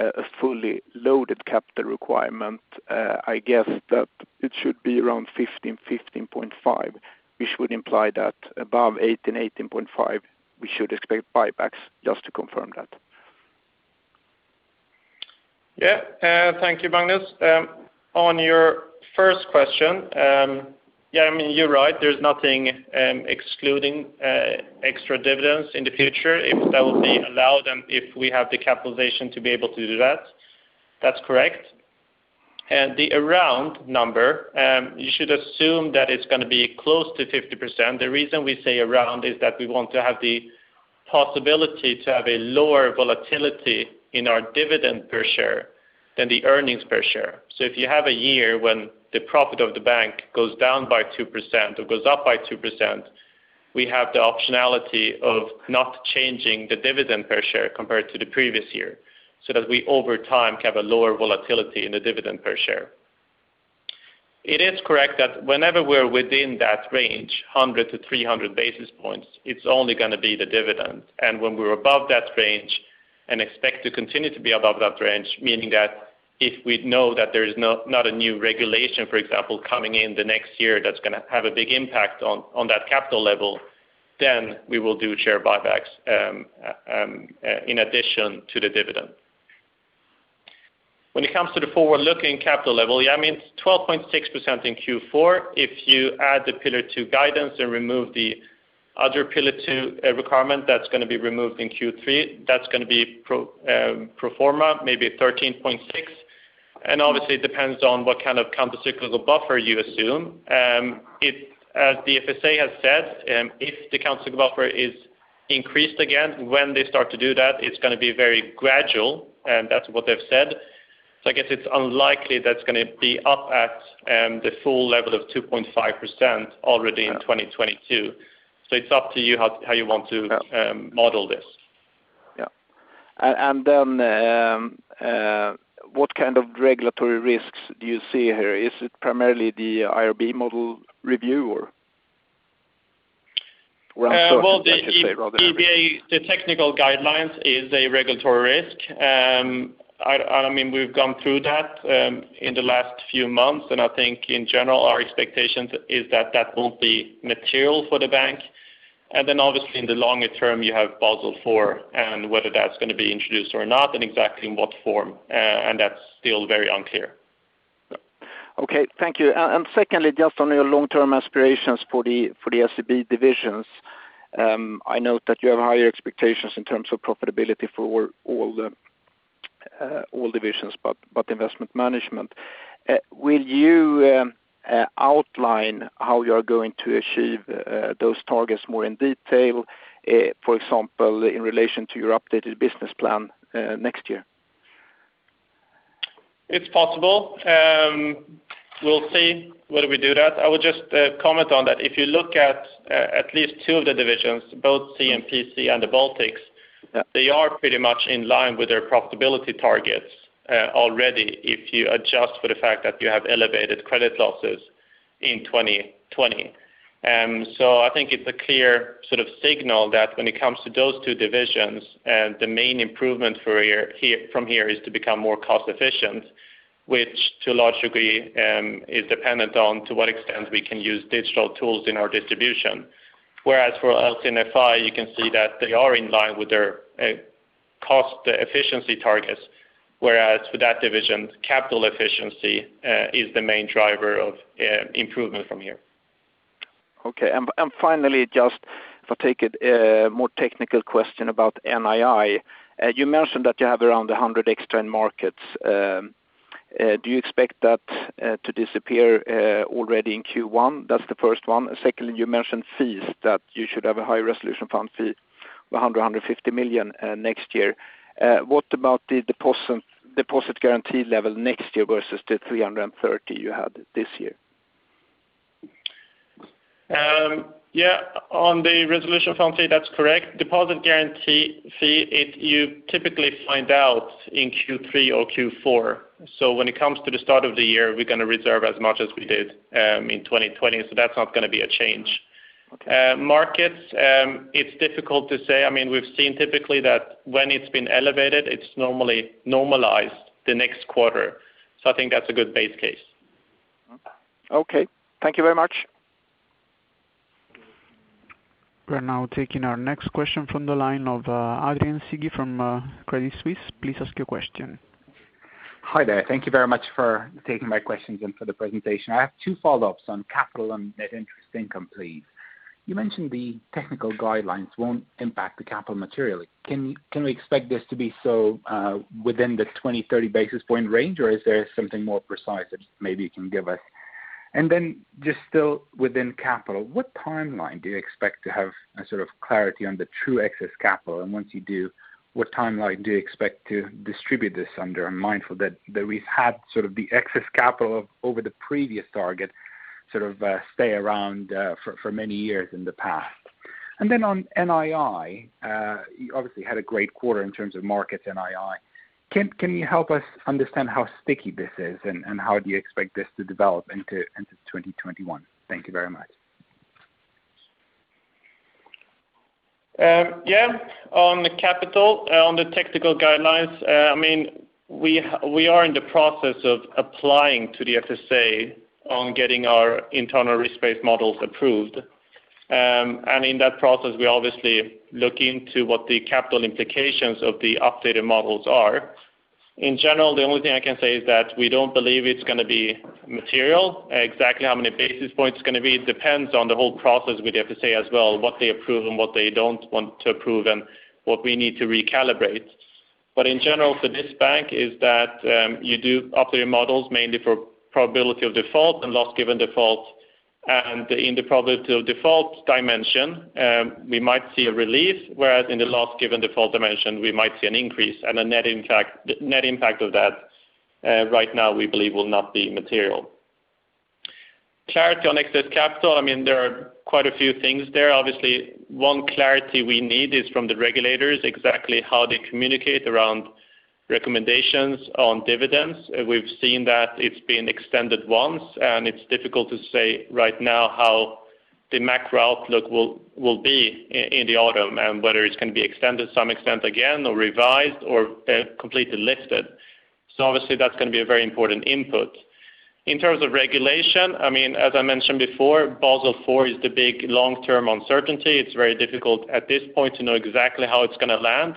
a fully loaded capital requirement, I guess that it should be around 15%-15.5%, which would imply that above 18%-18.5%, we should expect buybacks. Just to confirm that. Yeah. Thank you, Magnus. On your first question, yeah, you're right. There's nothing excluding extra dividends in the future if that will be allowed and if we have the capitalization to be able to do that. That's correct. The around number you should assume that it's going to be close to 50%. The reason we say around is that we want to have the possibility to have a lower volatility in our dividend per share than the earnings per share. If you have a year when the profit of the bank goes down by 2% or goes up by 2%, we have the optionality of not changing the dividend per share compared to the previous year, so that we over time have a lower volatility in the dividend per share. It is correct that whenever we're within that range, 100 to 300 basis points, it's only going to be the dividend. When we're above that range and expect to continue to be above that range, meaning that if we know that there is not a new regulation, for example, coming in the next year that's going to have a big impact on that capital level, then we will do share buybacks in addition to the dividend. When it comes to the forward-looking capital level, yeah, it's 12.6% in Q4. If you add the Pillar 2 guidance and remove the other Pillar 2 requirement that's going to be removed in Q3, that's going to be pro forma, maybe 13.6. Obviously it depends on what kind of countercyclical buffer you assume. As the FSA has said, if the countercyclical buffer is increased again, when they start to do that, it's going to be very gradual, and that's what they've said. I guess it's unlikely that's going to be up at the full level of 2.5% already in 2022. It's up to you how you want to model this. Yeah. What kind of regulatory risks do you see here? Is it primarily the IRB model review or? We're uncertain, I can say. Well, the EBA, the technical guidelines is a regulatory risk. We've gone through that in the last few months, and I think in general, our expectations is that that won't be material for the bank. Obviously in the longer term, you have Basel IV and whether that's going to be introduced or not and exactly in what form, and that's still very unclear. Okay. Thank you. Secondly, just on your long-term aspirations for the SEB divisions, I note that you have higher expectations in terms of profitability for all divisions, but investment management. Will you outline how you are going to achieve those targets more in detail, for example, in relation to your updated business plan next year? It's possible. We'll see whether we do that. I would just comment on that. If you look at at least two of the divisions, both C&PC and the Baltics- Yeah they are pretty much in line with their profitability targets already if you adjust for the fact that you have elevated credit losses in 2020. I think it's a clear signal that when it comes to those two divisions, the main improvement from here is to become more cost efficient, which to a large degree is dependent on to what extent we can use digital tools in our distribution. Whereas for LC&FI, you can see that they are in line with their cost efficiency targets, whereas for that division, capital efficiency is the main driver of improvement from here. Okay. Finally, just if I take a more technical question about NII. You mentioned that you have around 100 million extra end markets. Do you expect that to disappear already in Q1? That's the first one. Secondly, you mentioned fees, that you should have a high resolution fund fee of 100 million-150 million next year. What about the deposit guarantee fee next year versus the 330 million you had this year? Yeah. On the resolution fund fee, that's correct. Deposit guarantee fee, you typically find out in Q3 or Q4. When it comes to the start of the year, we're going to reserve as much as we did in 2020. That's not going to be a change. Markets, it's difficult to say. We've seen typically that when it's been elevated, it's normally normalized the next quarter. I think that's a good base case. Okay. Thank you very much. We're now taking our next question from the line of Adrian Cighi from Credit Suisse. Please ask your question. Hi there. Thank you very much for taking my questions and for the presentation. I have two follow-ups on capital and net interest income, please. You mentioned the technical guidelines won't impact the capital materially. Can we expect this to be so within the 20, 30 basis point range, or is there something more precise that maybe you can give us? Then just still within capital, what timeline do you expect to have a sort of clarity on the true excess capital? Once you do, what timeline do you expect to distribute this under? I'm mindful that we've had sort of the excess capital over the previous target stay around for many years in the past. Then on NII, you obviously had a great quarter in terms of markets NII. Can you help us understand how sticky this is, and how do you expect this to develop into 2021? Thank you very much. Yeah. On the capital, on the technical guidelines, we are in the process of applying to the FSA on getting our internal risk-based models approved. In that process, we obviously look into what the capital implications of the updated models are. In general, the only thing I can say is that we don't believe it's going to be material. Exactly how many basis points it's going to be depends on the whole process with the FSA as well, what they approve and what they don't want to approve, and what we need to recalibrate. In general for this bank is that you do updated models mainly for probability of default and loss given default. In the probability of default dimension, we might see a relief, whereas in the loss given default dimension, we might see an increase, and the net impact of that right now we believe will not be material. Clarity on excess capital, there are quite a few things there. Obviously, one clarity we need is from the regulators, exactly how they communicate around recommendations on dividends. We've seen that it's been extended once, and it's difficult to say right now how the macro outlook will be in the autumn and whether it's going to be extended to some extent again or revised or completely lifted. Obviously, that's going to be a very important input. In terms of regulation, as I mentioned before, Basel IV is the big long-term uncertainty. It's very difficult at this point to know exactly how it's going to land.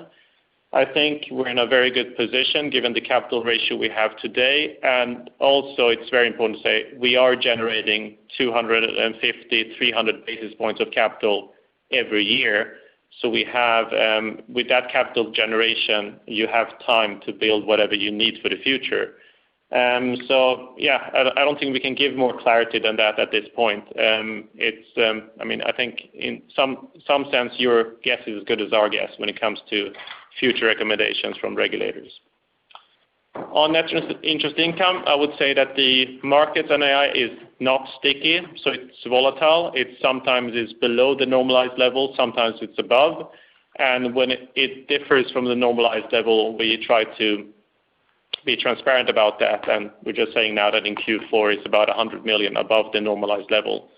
I think we're in a very good position given the capital ratio we have today. Also, it's very important to say we are generating 250, 300 basis points of capital every year. With that capital generation, you have time to build whatever you need for the future. I don't think we can give more clarity than that at this point. I think in some sense, your guess is as good as our guess when it comes to future recommendations from regulators. On net interest income, I would say that the markets NII is not sticky, so it's volatile. It sometimes is below the normalized level, sometimes it's above. When it differs from the normalized level, we try to be transparent about that. We're just saying now that in Q4 it's about 100 million above the normalized level.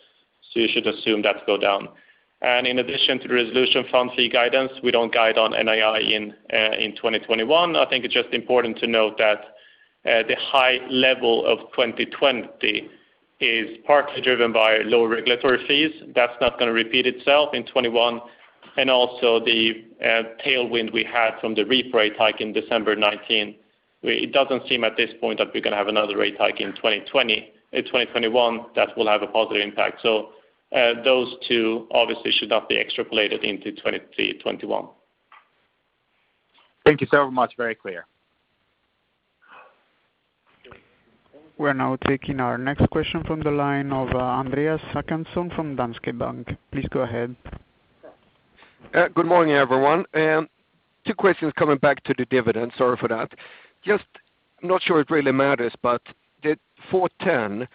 You should assume that go down. In addition to the resolution fund fee guidance, we don't guide on NII in 2021. I think it's just important to note that the high level of 2020 is partly driven by lower regulatory fees. That's not going to repeat itself in 2021. Also the tailwind we had from the repo rate hike in December 2019. It doesn't seem at this point that we're going to have another rate hike in 2021 that will have a positive impact. Those two obviously should not be extrapolated into 2021. Thank you so much. Very clear. We're now taking our next question from the line of Andreas Håkansson from Danske Bank. Please go ahead. Good morning, everyone. Two questions coming back to the dividend. Sorry for that. Not sure it really matters, but the 410,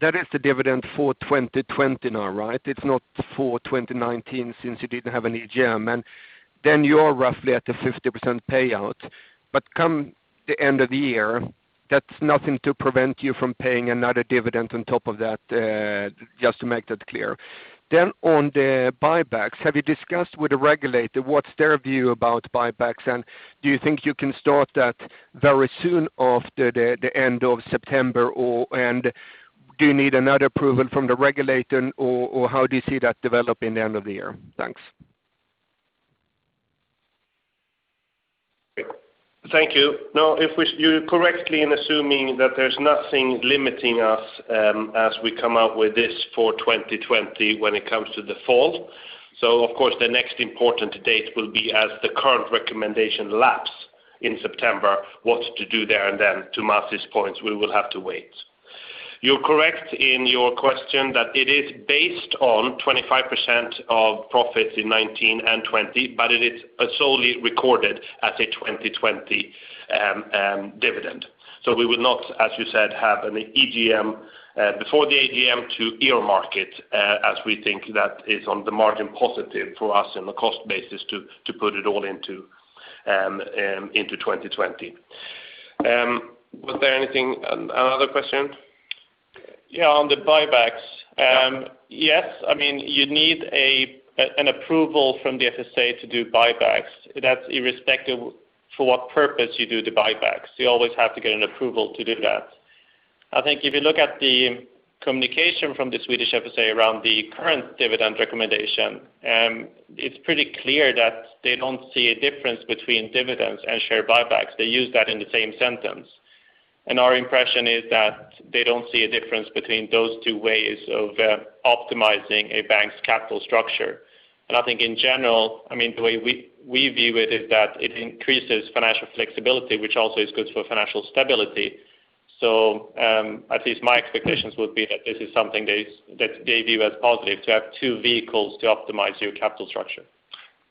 that is the dividend for 2020 now, right? It's not for 2019 since you didn't have any GM. You're roughly at the 50% payout. Come the end of the year, that's nothing to prevent you from paying another dividend on top of that, just to make that clear. On the buybacks, have you discussed with the regulator what's their view about buybacks, and do you think you can start that very soon after the end of September, and do you need another approval from the regulator, or how do you see that developing the end of the year? Thanks. Thank you. No, you're correctly in assuming that there's nothing limiting us as we come out with this for 2020 when it comes to default. Of course, the next important date will be as the current recommendation lapse in September. What to do there and then to Masih's points, we will have to wait. You're correct in your question that it is based on 25% of profits in 2019 and 2020, but it is solely recorded as a 2020 dividend. We will not, as you said, have an EGM before the AGM to earmark it, as we think that is on the margin positive for us on the cost basis to put it all into 2020. Was there another question? Yeah, on the buybacks. Yeah. Yes, you need an approval from the FSA to do buybacks. That's irrespective for what purpose you do the buybacks. You always have to get an approval to do that. I think if you look at the communication from the Swedish FSA around the current dividend recommendation, it's pretty clear that they don't see a difference between dividends and share buybacks. They use that in the same sentence. Our impression is that they don't see a difference between those two ways of optimizing a bank's capital structure. I think in general, the way we view it is that it increases financial flexibility, which also is good for financial stability. At least my expectations would be that this is something that they view as positive, to have two vehicles to optimize your capital structure.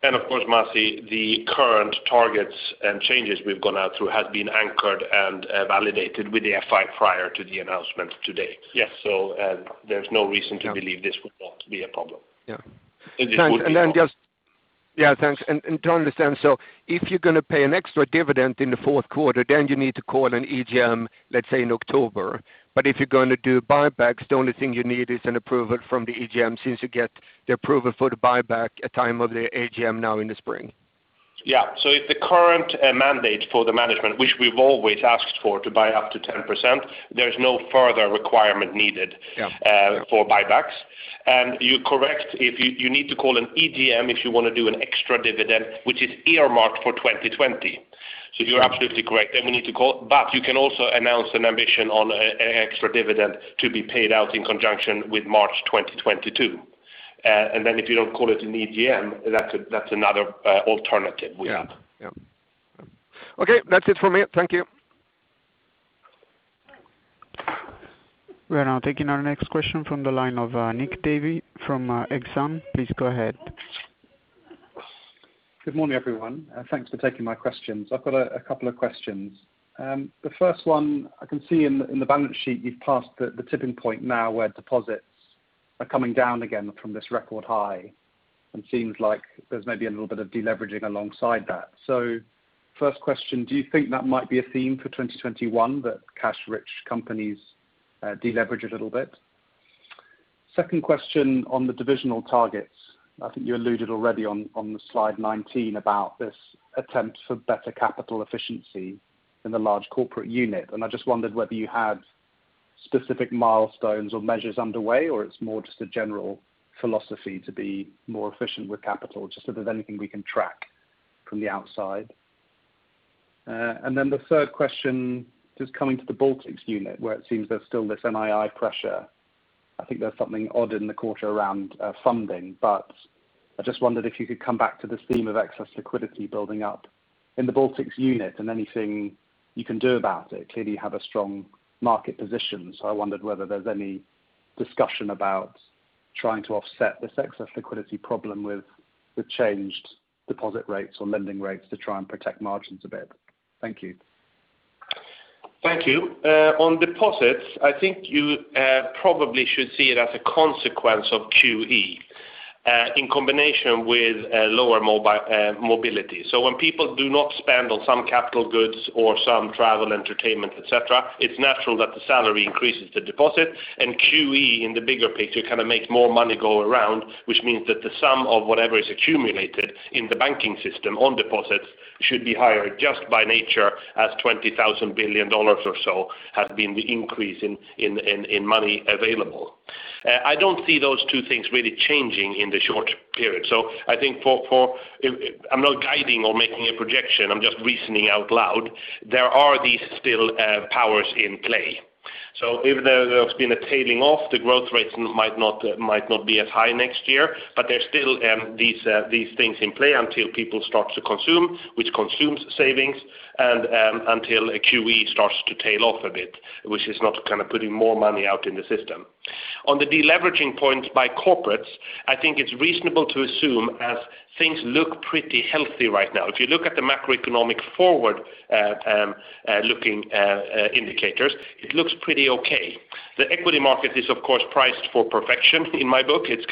Of course, Masih, the current targets and changes we've gone out through has been anchored and validated with the FI prior to the announcement today. Yes. There's no reason to believe this would not be a problem. Yeah. It would be all- Yeah, thanks. To understand. If you're going to pay an extra dividend in the fourth quarter, you need to call an EGM, let's say, in October. If you're going to do buybacks, the only thing you need is an approval from the EGM, since you get the approval for the buyback at time of the AGM now in the spring. Yeah. If the current mandate for the management, which we've always asked for, to buy up to 10%, there is no further requirement needed. Yeah for buybacks. You're correct. You need to call an EGM if you want to do an extra dividend, which is earmarked for 2020. You're absolutely correct. We need to call. You can also announce an ambition on an extra dividend to be paid out in conjunction with March 2022. If you don't call it an EGM, that's another alternative we have. Yeah. Okay. That's it from me. Thank you. We're now taking our next question from the line of Nick Davey from. Please go ahead. Good morning, everyone. Thanks for taking my questions. I've got a couple of questions. The first one I can see in the balance sheet, you've passed the tipping point now where deposits are coming down again from this record high. Seems like there's maybe a little bit of deleveraging alongside that. First question, do you think that might be a theme for 2021, that cash-rich companies deleverage a little bit? Second question on the divisional targets. I think you alluded already on slide 19 about this attempt for better capital efficiency in the large corporate unit. I just wondered whether you had specific milestones or measures underway, or it's more just a general philosophy to be more efficient with capital, just so there's anything we can track from the outside. The third question, just coming to the Baltics unit, where it seems there's still this NII pressure. I think there's something odd in the quarter around funding, but I just wondered if you could come back to this theme of excess liquidity building up in the Baltics unit and anything you can do about it. Clearly, you have a strong market position. I wondered whether there's any discussion about trying to offset this excess liquidity problem with the changed deposit rates or lending rates to try and protect margins a bit. Thank you. Thank you. On deposits, I think you probably should see it as a consequence of QE in combination with lower mobility. When people do not spend on some capital goods or some travel, entertainment, et cetera, it's natural that the salary increases the deposit. QE, in the bigger picture, makes more money go around, which means that the sum of whatever is accumulated in the banking system on deposits should be higher just by nature as SEK 20,000 billion or so has been the increase in money available. I don't see those two things really changing in the short period. I think, I'm not guiding or making a projection, I'm just reasoning out loud. There are these still powers in play. Even though there's been a tailing off, the growth rates might not be as high next year, but there's still these things in play until people start to consume, which consumes savings, and until QE starts to tail off a bit, which is not putting more money out in the system. On the deleveraging point by corporates, I think it's reasonable to assume as things look pretty healthy right now. If you look at the macroeconomic forward-looking indicators, it looks pretty okay. The equity market is of course priced for perfection in my book. It's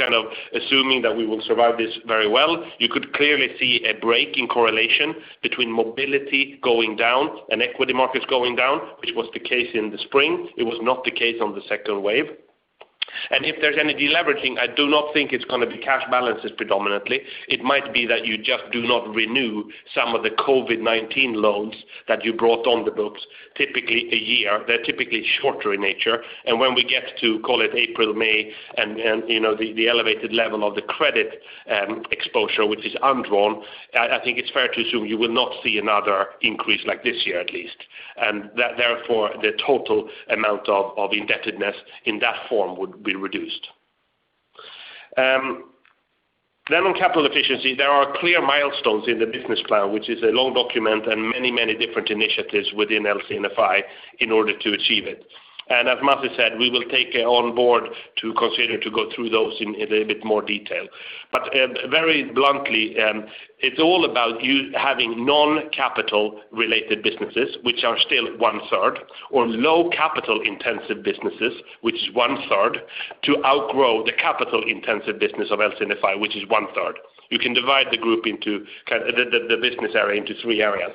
assuming that we will survive this very well. You could clearly see a break in correlation between mobility going down and equity markets going down, which was the case in the spring. It was not the case on the second wave. If there's any deleveraging, I do not think it's going to be cash balances predominantly. It might be that you just do not renew some of the COVID-19 loans that you brought on the books typically a year. They're typically shorter in nature. When we get to, call it April, May, and the elevated level of the credit exposure, which is undrawn, I think it's fair to assume you will not see another increase like this year at least. Therefore, the total amount of indebtedness in that form would be reduced. On capital efficiency, there are clear milestones in the business plan, which is a long document and many different initiatives within LC&FI in order to achieve it. As Masih said, we will take it on board to consider to go through those in a bit more detail. Very bluntly, it's all about you having non-capital related businesses, which are still 1/3, or low capital intensive businesses, which is 1/3, to outgrow the capital intensive business of LC&FI, which is 1/3. You can divide the business area into three areas.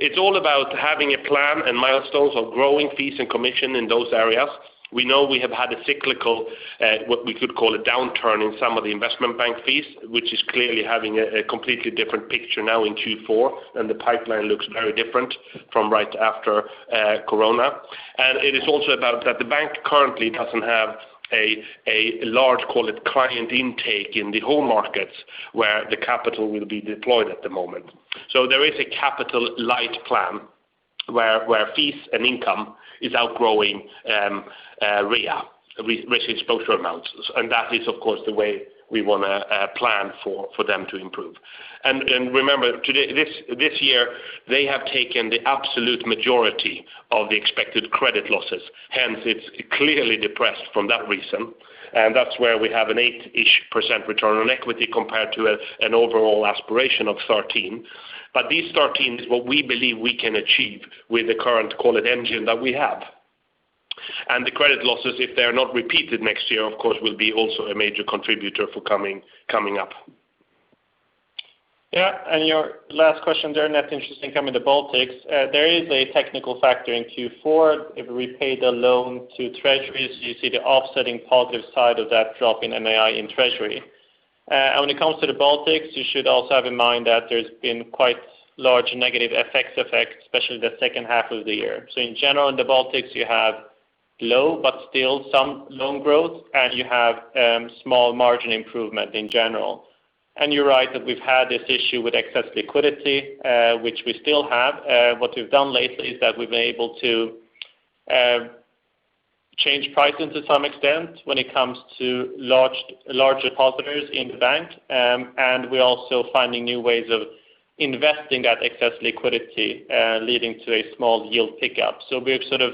It's all about having a plan and milestones of growing fees and commission in those areas. We know we have had a cyclical, what we could call a downturn in some of the investment bank fees, which is clearly having a completely different picture now in Q4, and the pipeline looks very different from right after corona. It is also about that the bank currently doesn't have a large, call it, client intake in the home markets where the capital will be deployed at the moment. There is a capital light plan where fees and income is outgrowing REA, Risk Exposure Amounts. That is, of course, the way we want to plan for them to improve. Remember this year, they have taken the absolute majority of the expected credit losses. Hence, it's clearly depressed from that reason, and that's where we have an 8-ish% return on equity compared to an overall aspiration of 13%. This 13% is what we believe we can achieve with the current call it engine that we have. The credit losses, if they're not repeated next year, of course, will be also a major contributor for coming up. Yeah. Your last question there, Net Interest Income in the Baltics. There is a technical factor in Q4. If we paid a loan to Treasuries, you see the offsetting positive side of that drop in NII in Treasury. When it comes to the Baltics, you should also have in mind that there's been quite large negative effects, especially the second half of the year. In general, in the Baltics, you have low, but still some loan growth, and you have small margin improvement in general. You're right that we've had this issue with excess liquidity, which we still have. What we've done lately is that we've been able to change pricing to some extent when it comes to large depositors in the bank. We're also finding new ways of investing that excess liquidity, leading to a small yield pickup. We're sort of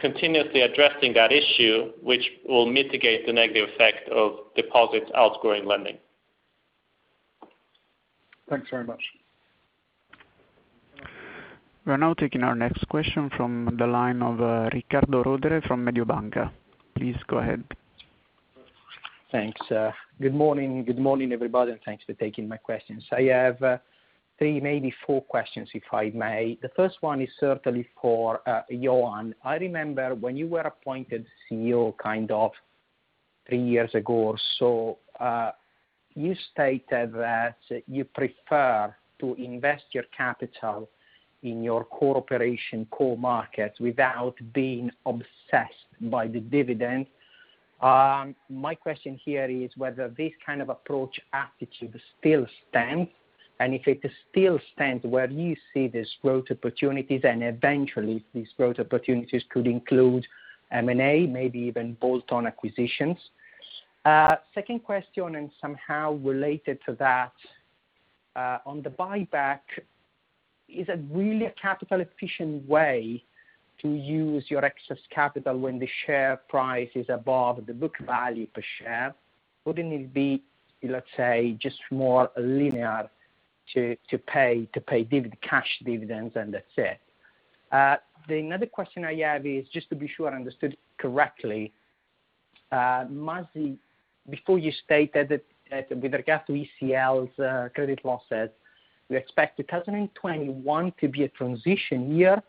continuously addressing that issue, which will mitigate the negative effect of deposit outgrowing lending. Thanks very much. We're now taking our next question from the line of Riccardo Rovere from Mediobanca. Please go ahead. Thanks. Good morning. Good morning, everybody, thanks for taking my questions. I have three, maybe four questions, if I may. The first one is certainly for Johan. I remember when you were appointed CEO kind of three years ago or so, you stated that you prefer to invest your capital in your core operation, core markets without being obsessed by the dividend. My question here is whether this kind of approach attitude still stands, and if it still stands, where do you see these growth opportunities, and eventually these growth opportunities could include M&A, maybe even bolt-on acquisitions. Second question, somehow related to that, on the buyback, is it really a capital efficient way to use your excess capital when the share price is above the book value per share? Wouldn't it be, let's say, just more linear to pay cash dividends and that's it? The another question I have is just to be sure I understood correctly. Masih, before you stated that with regards to ECLs credit losses, we expect 2021 to be a transition year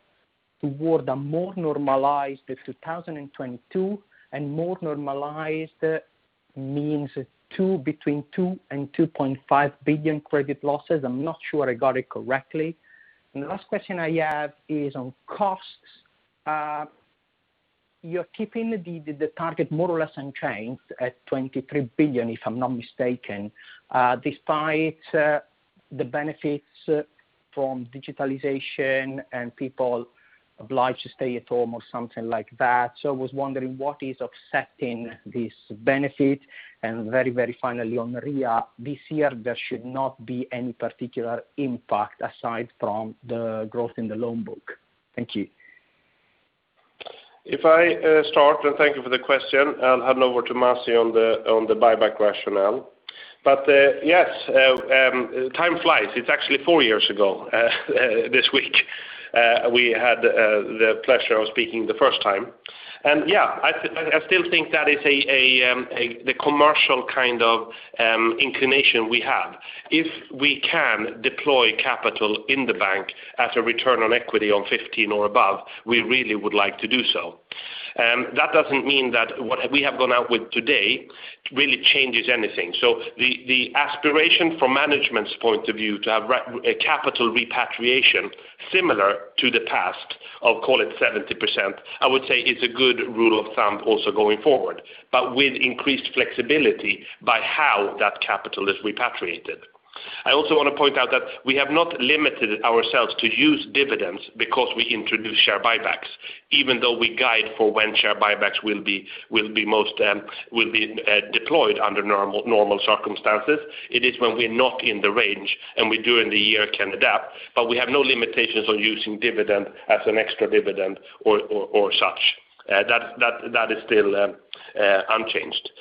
toward a more normalized 2022, and more normalized means between 2 billion and 2.5 billion credit losses. I'm not sure I got it correctly. The last question I have is on costs. You're keeping the target more or less unchanged at 23 billion, if I'm not mistaken, despite the benefits from digitalization and people obliged to stay at home or something like that. I was wondering what is offsetting this benefit? Very finally on REA this year, there should not be any particular impact aside from the growth in the loan book. Thank you. If I start, thank you for the question, I'll hand over to Masih on the buyback rationale. Yes, time flies. It's actually four years ago this week. We had the pleasure of speaking the first time. Yeah, I still think that is the commercial kind of inclination we have. If we can deploy capital in the bank as a return on equity on 15% or above, we really would like to do so. That doesn't mean that what we have gone out with today really changes anything. The aspiration from management's point of view to have capital repatriation similar to the past of, call it, 70%, I would say is a good rule of thumb also going forward, but with increased flexibility by how that capital is repatriated. I also want to point out that we have not limited ourselves to use dividends because we introduce share buybacks, even though we guide for when share buybacks will be deployed under normal circumstances. It is when we're not in the range, and we during the year can adapt, but we have no limitations on using dividend as an extra dividend or such. That is still unchanged.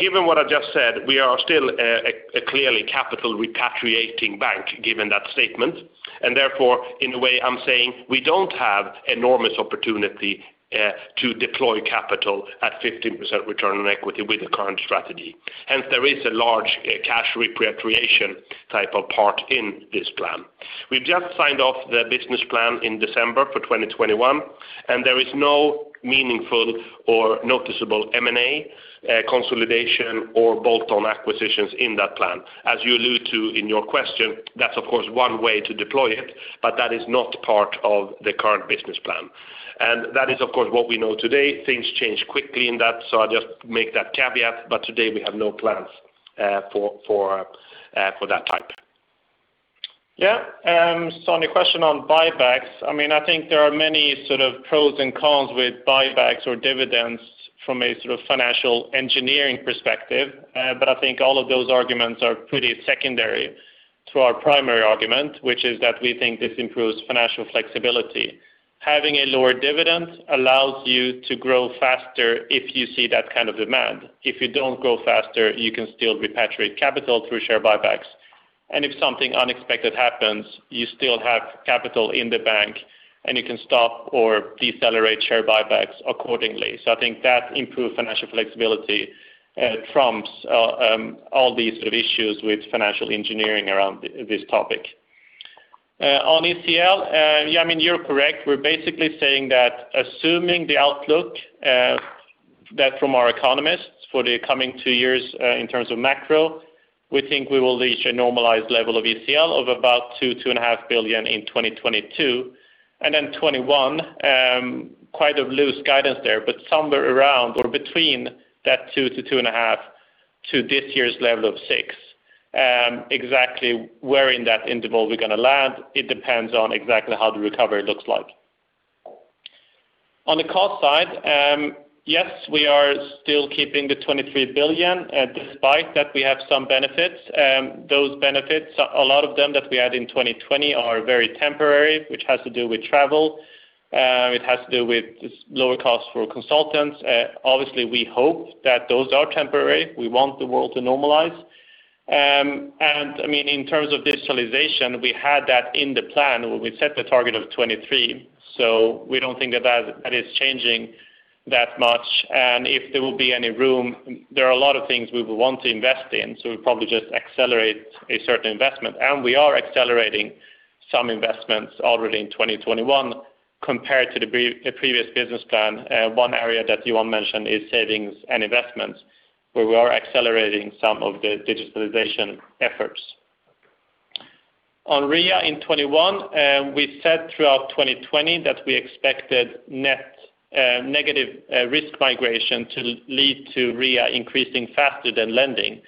Given what I've just said, we are still a clearly capital repatriating bank, given that statement. Therefore, in a way, I'm saying we don't have enormous opportunity to deploy capital at 15% return on equity with the current strategy. Hence, there is a large cash repatriation type of part in this plan. We've just signed off the business plan in December for 2021. There is no meaningful or noticeable M&A consolidation or bolt-on acquisitions in that plan. As you allude to in your question, that's of course one way to deploy it, but that is not part of the current business plan. That is, of course, what we know today. Things change quickly in that, so I'll just make that caveat. Today we have no plans for that type. On your question on buybacks, I think there are many pros and cons with buybacks or dividends from a financial engineering perspective. I think all of those arguments are pretty secondary to our primary argument, which is that we think this improves financial flexibility. Having a lower dividend allows you to grow faster if you see that kind of demand. If you don't grow faster, you can still repatriate capital through share buybacks. If something unexpected happens, you still have capital in the bank, and you can stop or decelerate share buybacks accordingly. I think that improved financial flexibility trumps all these issues with financial engineering around this topic. On ECL, you're correct. We're basically saying that assuming the outlook that from our economists for the coming two years in terms of macro, we think we will reach a normalized level of ECL of about 2 billion-2.5 billion in 2022. In 2021, quite a loose guidance there, but somewhere around or between that 2-2.5 to this year's level of 6 billion. Exactly where in that interval we're going to land, it depends on exactly how the recovery looks like. On the cost side, yes, we are still keeping the 23 billion, despite that we have some benefits. Those benefits, a lot of them that we had in 2020 are very temporary, which has to do with travel. It has to do with lower costs for consultants. Obviously, we hope that those are temporary. We want the world to normalize. In terms of digitalization, we had that in the plan when we set the target of 23. We don't think that is changing that much. If there will be any room, there are a lot of things we would want to invest in, we'll probably just accelerate a certain investment. We are accelerating some investments already in 2021 compared to the previous business plan. One area that Johan mentioned is savings and investments, where we are accelerating some of the digitalization efforts. On REA in 2021, we said throughout 2020 that we expected net negative risk migration to lead to REA increasing faster than lending.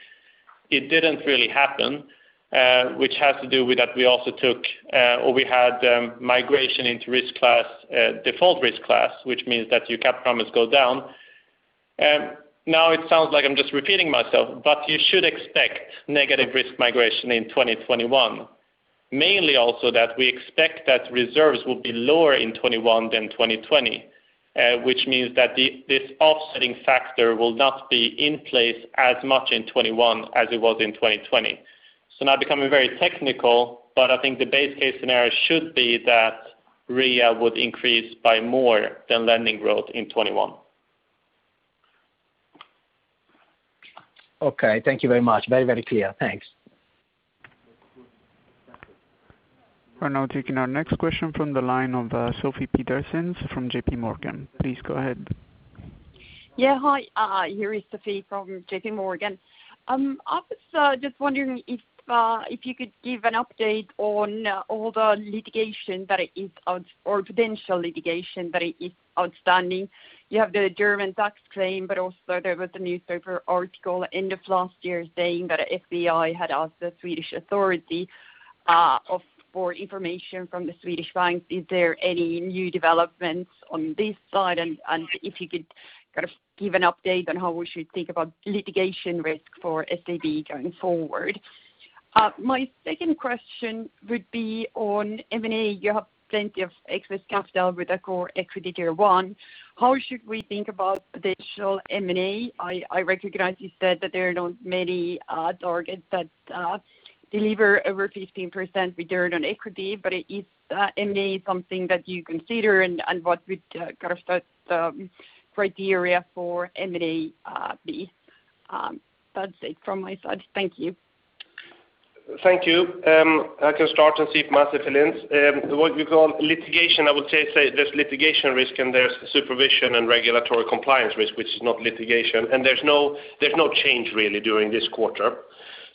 It didn't really happen, which has to do with that we also took or we had migration into default risk class, which means that your capital promise go down. Now it sounds like I'm just repeating myself, but you should expect negative risk migration in 2021. Mainly also that we expect that reserves will be lower in 2021 than 2020, which means that this offsetting factor will not be in place as much in 2021 as it was in 2020. Now becoming very technical, but I think the base case scenario should be that REA would increase by more than lending growth in 2021. Okay. Thank you very much. Very clear. Thanks. We're now taking our next question from the line of Sofie Peterzens from JPMorgan. Please go ahead. Yeah. Hi, here is Sofie from JPMorgan. I was just wondering if you could give an update on all the litigation that is out or potential litigation that is outstanding. You have the German tax claim. Also there was the newspaper article end of last year saying that FBI had asked the Swedish FSA for information from the Swedish banks. Is there any new developments on this side? If you could give an update on how we should think about litigation risk for SEB going forward. My second question would be on M&A. You have plenty of excess capital with a core equity tier one. How should we think about potential M&A? I recognize you said that there are not many targets that deliver over 15% return on equity. Is M&A something that you consider? What would set the criteria for M&A be? That's it from my side. Thank you. Thank you. I can start and see if Masih fills in. What you call litigation, I would say there's litigation risk and there's supervision and regulatory compliance risk, which is not litigation. There's no change really during this quarter.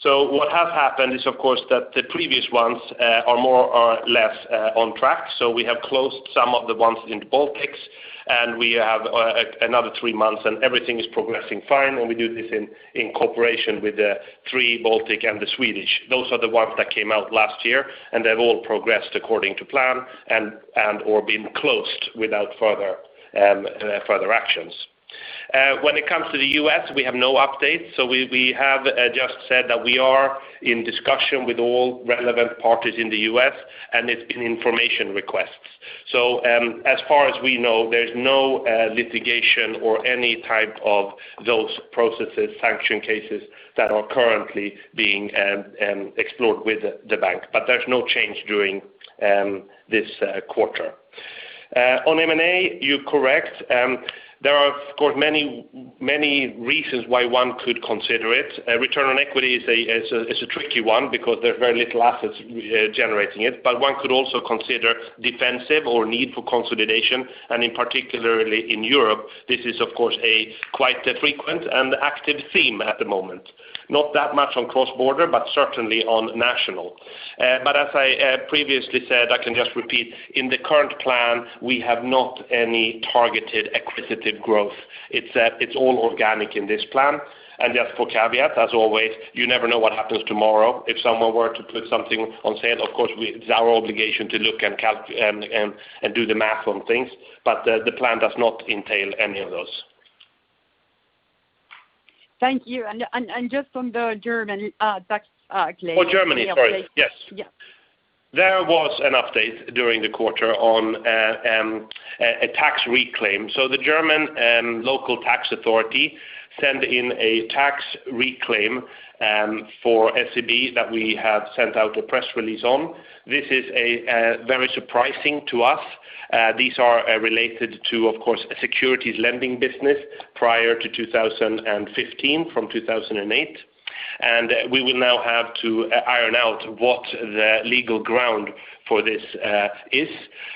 What has happened is, of course, that the previous ones are more or less on track. We have closed some of the ones in the Baltics, and we have another three months and everything is progressing fine. We do this in cooperation with the three Baltic and the Swedish. Those are the ones that came out last year, and they've all progressed according to plan and/or been closed without further actions. When it comes to the U.S., we have no updates. We have just said that we are in discussion with all relevant parties in the U.S., and it's been information requests. As far as we know, there's no litigation or any type of those processes, sanction cases that are currently being explored with the bank. There's no change during this quarter. On M&A, you're correct. There are, of course, many reasons why one could consider it. Return on equity is a tricky one because there's very little assets generating it, but one could also consider defensive or need for consolidation, and particularly in Europe, this is, of course, a quite frequent and active theme at the moment. Not that much on cross-border, but certainly on national. As I previously said, I can just repeat, in the current plan, we have not any targeted acquisitive growth. It's all organic in this plan. Just for caveat, as always, you never know what happens tomorrow. If someone were to put something on sale, of course, it's our obligation to look and do the math on things, but the plan does not entail any of those. Thank you. Just on the German tax claim. Oh, Germany. Sorry. Yes. Yeah. There was an update during the quarter on a tax reclaim. The German local tax authority sent in a tax reclaim for SEB that we have sent out a press release on. This is very surprising to us. These are related to, of course, securities lending business prior to 2015 from 2008. We will now have to iron out what the legal ground for this is.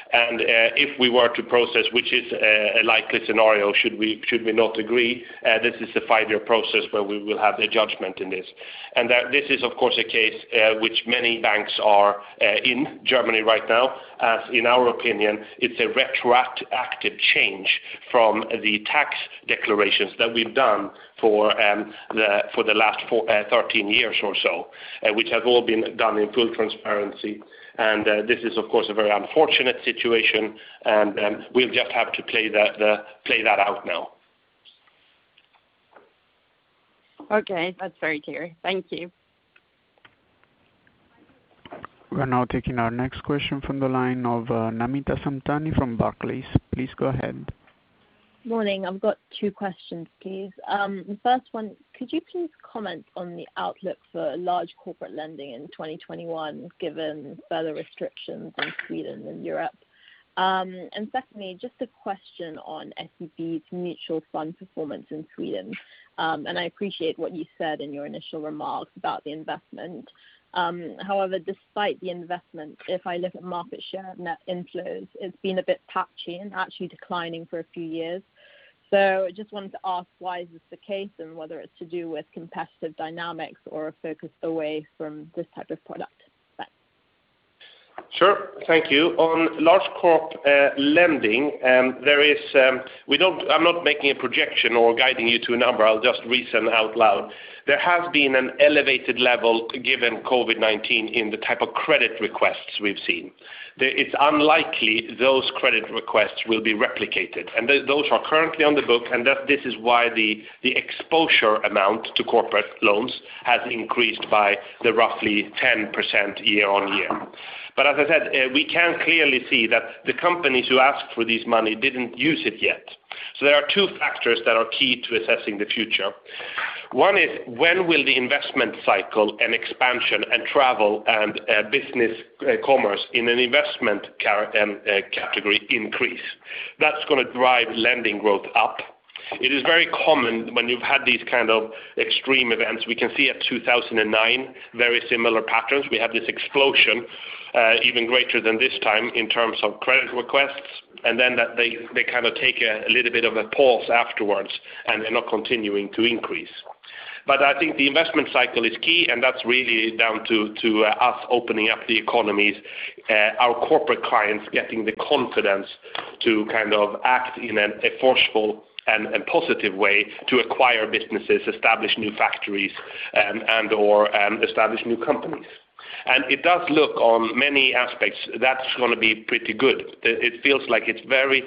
If we were to process, which is a likely scenario, should we not agree, this is a five-year process where we will have a judgment in this. This is, of course, a case which many banks are in Germany right now. In our opinion, it's a retroactive change from the tax declarations that we've done for the last 13 years or so, which have all been done in full transparency. This is, of course, a very unfortunate situation, and we'll just have to play that out now. Okay. That's very clear. Thank you. We're now taking our next question from the line of Namita Samtani from Barclays. Please go ahead. Morning. I've got two questions, please. The first one, could you please comment on the outlook for large corporate lending in 2021 given further restrictions in Sweden and Europe? Secondly, just a question on SEB's mutual fund performance in Sweden. I appreciate what you said in your initial remarks about the investment. However, despite the investment, if I look at market share net inflows, it's been a bit patchy and actually declining for a few years. Just wanted to ask why is this the case and whether it's to do with competitive dynamics or a focus away from this type of product. Thanks. Sure. Thank you. On large corp lending, I'm not making a projection or guiding you to a number. I'll just reason out loud. There has been an elevated level given COVID-19 in the type of credit requests we've seen. It's unlikely those credit requests will be replicated. Those are currently on the book, and this is why the exposure amount to corporate loans has increased by the roughly 10% year-over-year. As I said, we can clearly see that the companies who asked for this money didn't use it yet. There are two factors that are key to assessing the future. One is when will the investment cycle and expansion and travel and business commerce in an investment category increase? That's going to drive lending growth up. It is very common when you've had these kind of extreme events. We can see at 2009 very similar patterns. We have this explosion even greater than this time in terms of credit requests, and then they take a little bit of a pause afterwards, and they're not continuing to increase. I think the investment cycle is key, and that's really down to us opening up the economies, our corporate clients getting the confidence to act in a forceful and positive way to acquire businesses, establish new factories, and/or establish new companies. It does look on many aspects that's going to be pretty good. It feels like it's very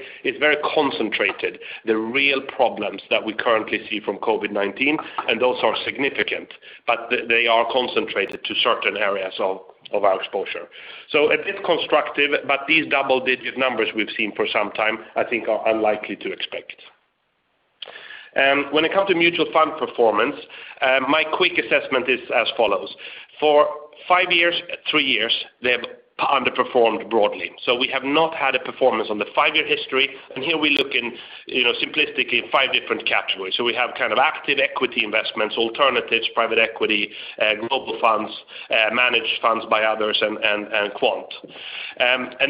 concentrated, the real problems that we currently see from COVID-19, and those are significant, but they are concentrated to certain areas of our exposure. A bit constructive, but these double-digit numbers we've seen for some time, I think, are unlikely to expect. When it comes to mutual fund performance, my quick assessment is as follows. For five years, three years, they've underperformed broadly. We have not had a performance on the five-year history, and here we look in simplistically five different categories. We have active equity investments, alternatives, private equity, global funds, managed funds by others, and quant.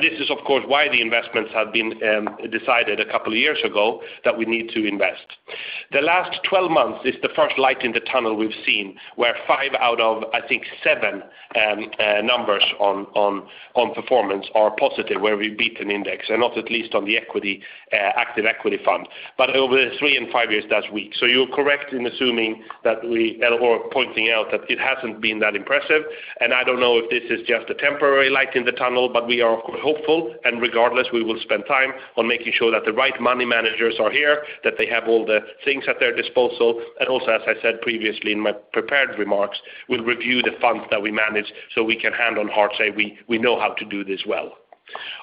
This is, of course, why the investments have been decided a couple of years ago that we need to invest. The last 12 months is the first light in the tunnel we've seen, where five out of, I think, seven numbers on performance are positive where we've beaten index, and not at least on the active equity fund. Over three and five years, that's weak. You're correct in assuming that we or pointing out that it hasn't been that impressive, and I don't know if this is just a temporary light in the tunnel, but we are hopeful, and regardless, we will spend time on making sure that the right money managers are here, that they have all the things at their disposal. Also, as I said previously in my prepared remarks, we'll review the funds that we manage so we can hand on heart say we know how to do this well.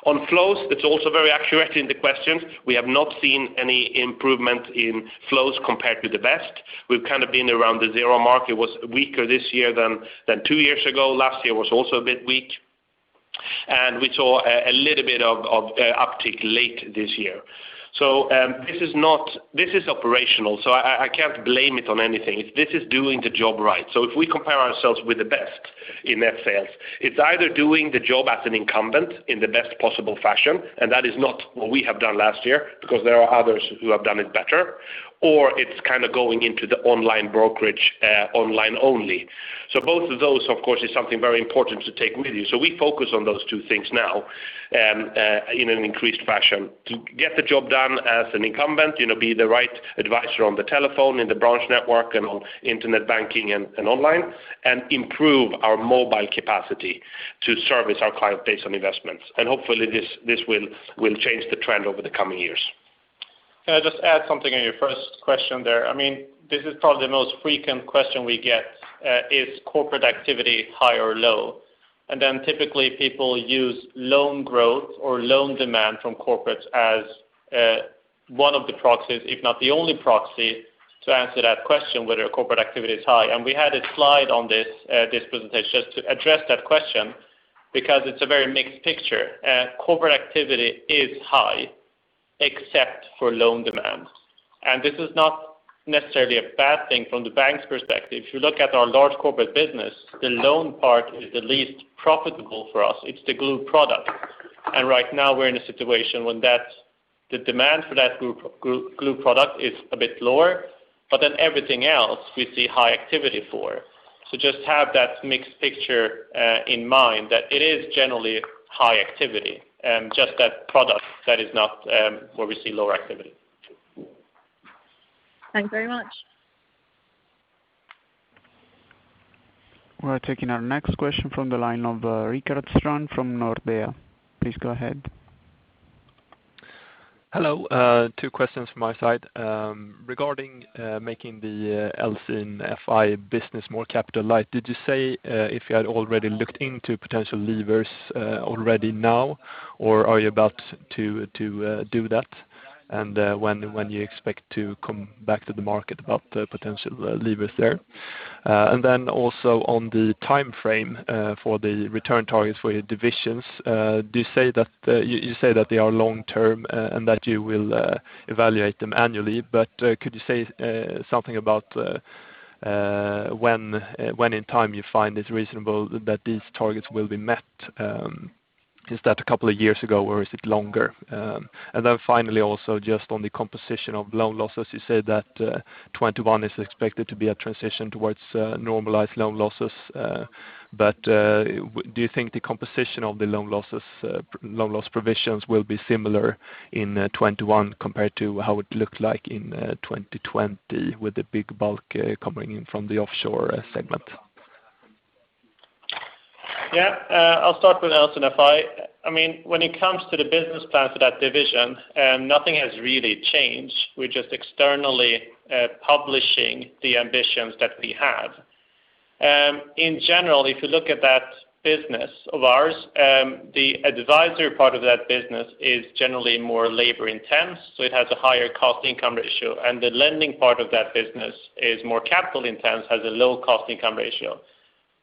On flows, that's also very accurate in the questions. We have not seen any improvement in flows compared to the best. We've been around the zero mark. It was weaker this year than two years ago. Last year was also a bit weak. We saw a little bit of uptick late this year. This is operational, so I can't blame it on anything. This is doing the job right. If we compare ourselves with the best in net sales, it's either doing the job as an incumbent in the best possible fashion, and that is not what we have done last year because there are others who have done it better, or it's going into the online brokerage online only. Both of those, of course, is something very important to take with you. We focus on those two things now in an increased fashion to get the job done as an incumbent, be the right advisor on the telephone, in the branch network, and on internet banking and online, and improve our mobile capacity to service our client base on investments. Hopefully this will change the trend over the coming years. Can I just add something on your first question there? This is probably the most frequent question we get. Is corporate activity high or low? Typically people use loan growth or loan demand from corporates as one of the proxies, if not the only proxy, to answer that question whether corporate activity is high. We had a slide on this presentation just to address that question because it's a very mixed picture. Corporate activity is high except for loan demand. This is not necessarily a bad thing from the bank's perspective. If you look at our large corporate business, the loan part is the least profitable for us. It's the glue product. Right now we're in a situation when the demand for that glue product is a bit lower, but then everything else we see high activity for. Just have that mixed picture in mind that it is generally high activity, just that product that is not where we see lower activity. Thanks very much. We're taking our next question from the line of Rickard Strand from Nordea. Please go ahead. Hello. Two questions from my side. Regarding making the LC&FI business more capital light, did you say if you had already looked into potential levers already now, or are you about to do that? When do you expect to come back to the market about the potential levers there? Also on the timeframe for the return targets for your divisions. You say that they are long-term and that you will evaluate them annually, but could you say something about when in time you find it reasonable that these targets will be met? Is that a couple of years ago or is it longer? Finally, also just on the composition of loan losses, you said that 2021 is expected to be a transition towards normalized loan losses. Do you think the composition of the loan loss provisions will be similar in 2021 compared to how it looked like in 2020 with the big bulk coming in from the offshore segment? Yeah. I'll start with LC&FI. When it comes to the business plan for that division, nothing has really changed. We're just externally publishing the ambitions that we have. In general, if you look at that business of ours, the advisory part of that business is generally more labor intense, so it has a higher cost-income ratio, and the lending part of that business is more capital intense, has a low cost-income ratio.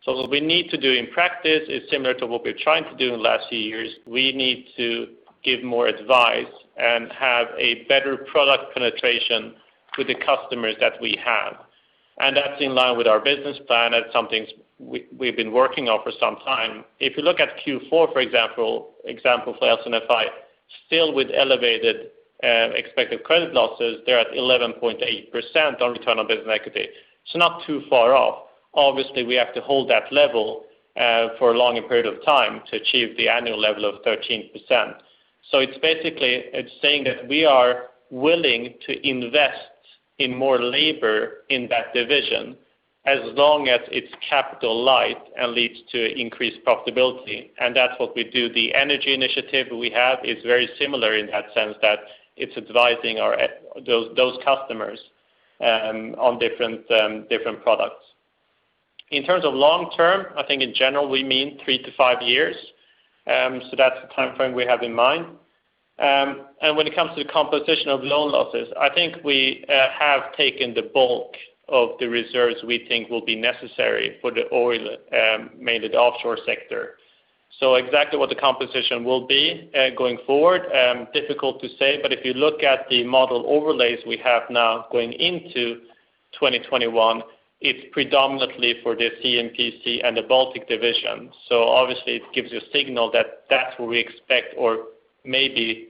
What we need to do in practice is similar to what we're trying to do in last few years. We need to give more advice and have a better product penetration with the customers that we have. That's in line with our business plan. That's something we've been working on for some time. If you look at Q4, for example for LC&FI, still with elevated expected credit losses, they're at 11.8% on return on business equity. Not too far off. Obviously, we have to hold that level for a longer period of time to achieve the annual level of 13%. It's basically saying that we are willing to invest in more labor in that division as long as it's capital light and leads to increased profitability. That's what we do. The energy initiative we have is very similar in that sense that it's advising those customers on different products. In terms of long term, I think in general we mean three to five years. That's the timeframe we have in mind. When it comes to the composition of loan losses, I think we have taken the bulk of the reserves we think will be necessary for the oil, mainly the offshore sector. Exactly what the composition will be going forward, difficult to say. If you look at the model overlays we have now going into 2021, it's predominantly for the C&PC and the Baltic division. Obviously it gives you a signal that that's where we expect or maybe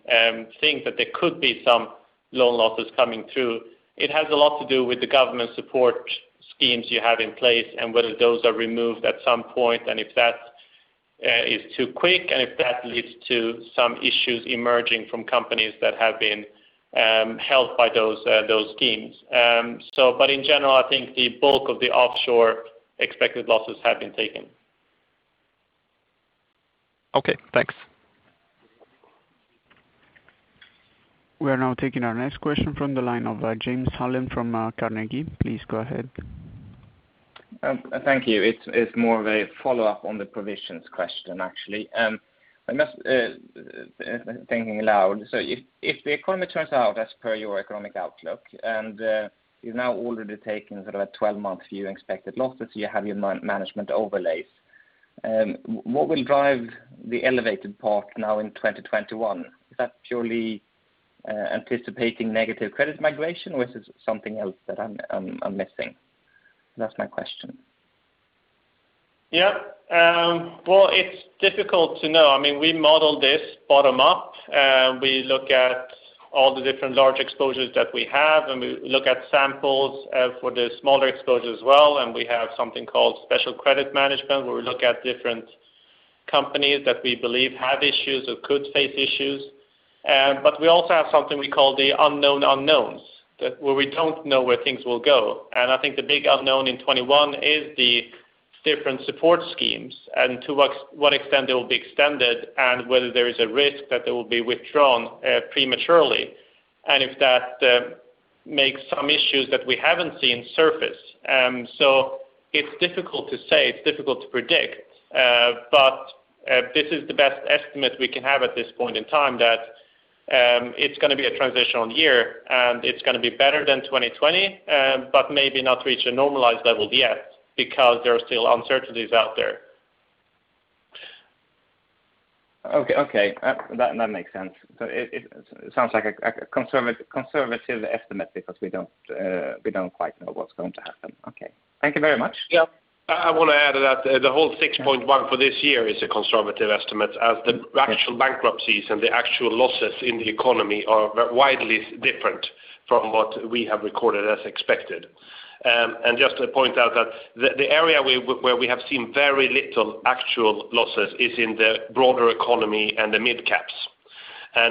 think that there could be some loan losses coming through. It has a lot to do with the government support schemes you have in place and whether those are removed at some point and if that is too quick and if that leads to some issues emerging from companies that have been helped by those schemes. In general, I think the bulk of the offshore expected losses have been taken. Okay, thanks. We're now taking our next question from the line of Jens Hallén from Carnegie. Please go ahead. Thank you. It's more of a follow-up on the provisions question, actually. I'm just thinking aloud. If the economy turns out as per your economic outlook, and you've now already taken sort of a 12-month view expected losses, you have your management overlays. What will drive the elevated part now in 2021? Is that purely anticipating negative credit migration, or is it something else that I'm missing? That's my question. It's difficult to know. We model this bottom up. We look at all the different large exposures that we have, and we look at samples for the smaller exposure as well, and we have something called special credit management, where we look at different companies that we believe have issues or could face issues. We also have something we call the unknown unknowns, where we don't know where things will go. I think the big unknown in 2021 is the different support schemes and to what extent they will be extended and whether there is a risk that they will be withdrawn prematurely and if that makes some issues that we haven't seen surface. It's difficult to say, it's difficult to predict. This is the best estimate we can have at this point in time, that it's going to be a transitional year, and it's going to be better than 2020 but maybe not reach a normalized level yet because there are still uncertainties out there. Okay. That makes sense. It sounds like a conservative estimate because we don't quite know what's going to happen. Okay. Thank you very much. Yeah. I want to add to that. The whole 6.1 for this year is a conservative estimate as the actual bankruptcies and the actual losses in the economy are widely different from what we have recorded as expected. Just to point out that the area where we have seen very little actual losses is in the broader economy and the mid caps.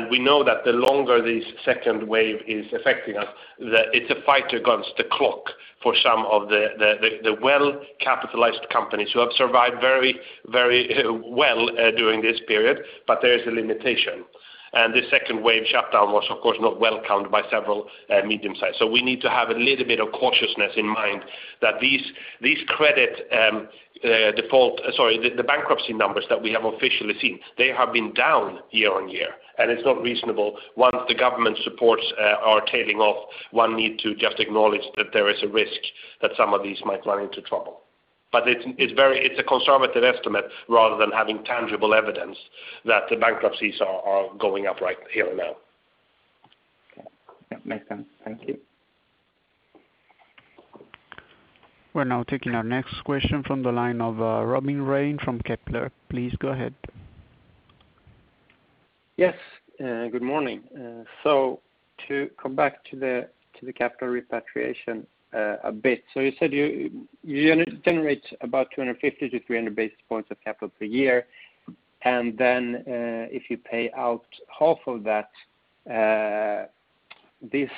We know that the longer this second wave is affecting us, that it's a fight against the clock for some of the well-capitalized companies who have survived very well during this period, but there is a limitation. The second wave shutdown was, of course, not welcomed by several medium size. We need to have a little bit of cautiousness in mind that these bankruptcy numbers that we have officially seen, they have been down year-on-year, and it's not reasonable. Once the government supports are tailing off, one need to just acknowledge that there is a risk that some of these might run into trouble. It's a conservative estimate rather than having tangible evidence that the bankruptcies are going up right here and now. Okay. Makes sense. Thank you. We're now taking our next question from the line of Robin Rane from Kepler. Please go ahead. Yes. Good morning. To come back to the capital repatriation a bit. You said you generate about 250 to 300 basis points of capital per year, and then if you pay out half of that, this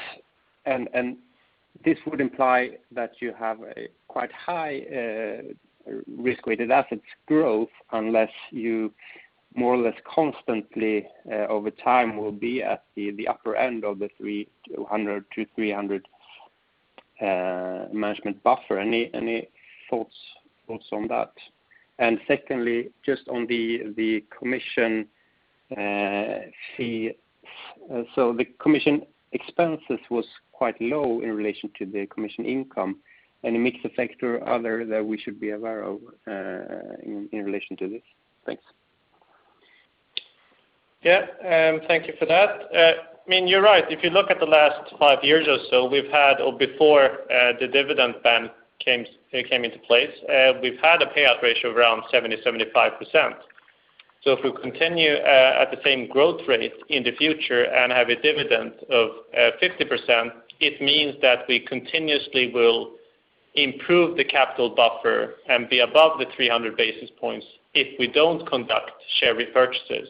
would imply that you have a quite high risk-weighted assets growth unless you more or less constantly over time will be at the upper end of the 300 to 300 management buffer. Any thoughts on that? Secondly, just on the commission fees. The commission expenses was quite low in relation to the commission income. Any mix effect or other that we should be aware of in relation to this? Thanks. Yeah. Thank you for that. You're right. If you look at the last five years or so, or before the dividend ban came into place, we've had a payout ratio of around 70%-75%. If we continue at the same growth rate in the future and have a dividend of 50%, it means that we continuously will improve the capital buffer and be above the 300 basis points if we don't conduct share repurchases.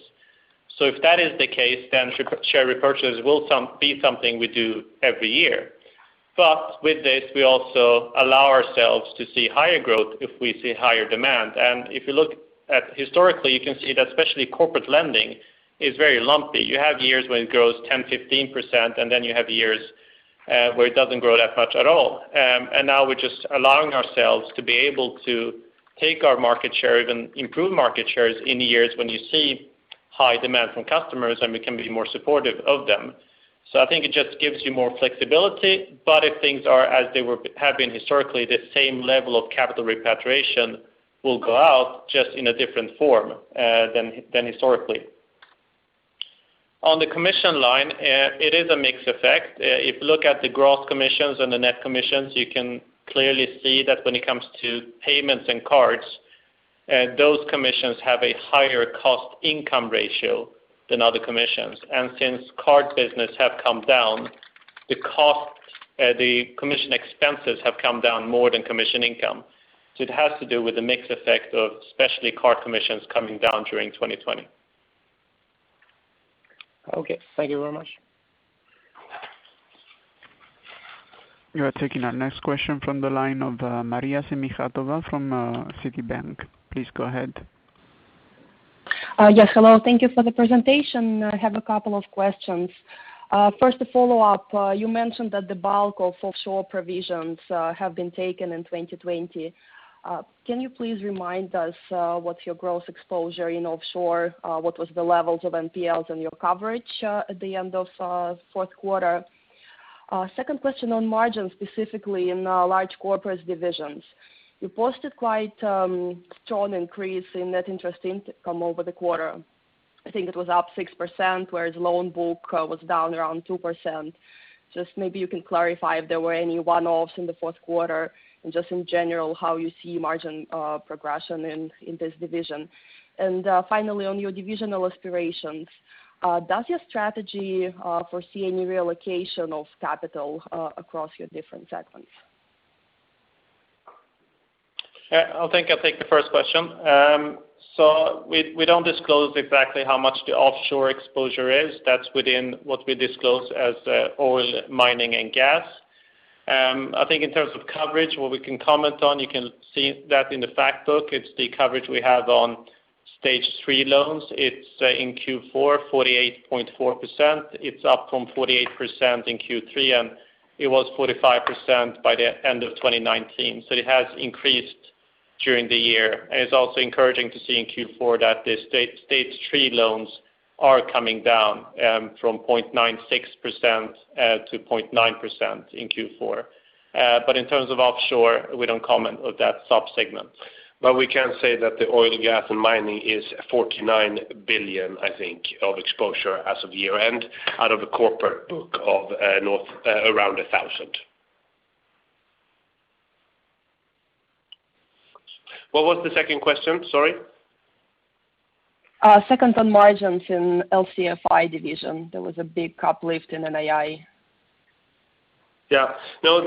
If that is the case, then share repurchases will be something we do every year. With this, we also allow ourselves to see higher growth if we see higher demand. If you look at historically, you can see that especially corporate lending is very lumpy. You have years when it grows 10%-15%, and then you have years where it doesn't grow that much at all. Now we're just allowing ourselves to be able to take our market share, even improve market shares in years when you see high demand from customers, and we can be more supportive of them. I think it just gives you more flexibility. If things are as they have been historically, the same level of capital repatriation will go out just in a different form than historically. On the commission line, it is a mix effect. If you look at the growth commissions and the net commissions, you can clearly see that when it comes to payments and cards, those commissions have a higher cost-income ratio than other commissions. Since card business have come down, the commission expenses have come down more than commission income. It has to do with the mix effect of especially card commissions coming down during 2020. Okay. Thank you very much. We are taking our next question from the line of Maria Semikhatova from Citi. Please go ahead. Yes. Hello. Thank you for the presentation. I have a couple of questions. First, a follow-up. You mentioned that the bulk of offshore provisions have been taken in 2020. Can you please remind us what's your growth exposure in offshore? What was the levels of NPLs and your coverage at the end of fourth quarter? Second question on margins, specifically in large corporates divisions. You posted quite a strong increase in net interest income over the quarter. I think it was up 6%, whereas loan book was down around 2%. Just maybe you can clarify if there were any one-offs in the fourth quarter, and just in general, how you see margin progression in this division. Finally, on your divisional aspirations, does your strategy foresee any reallocation of capital across your different segments? I think I'll take the first question. We don't disclose exactly how much the offshore exposure is. That's within what we disclose as oil, mining, and gas. I think in terms of coverage, what we can comment on, you can see that in the fact book. It's the coverage we have on stage 3 loans. It's in Q4, 48.4%. It's up from 48% in Q3, and it was 45% by the end of 2019. It has increased during the year, and it's also encouraging to see in Q4 that the stage 3 loans are coming down from 0.96% to 0.9% in Q4. In terms of offshore, we don't comment on that sub-segment. We can say that the oil, gas and mining is 49 billion, I think, of exposure as of year-end, out of a corporate book of around 1,000. What was the second question? Sorry. Second's on margins in LC&FI division. There was a big uplift in NII. No,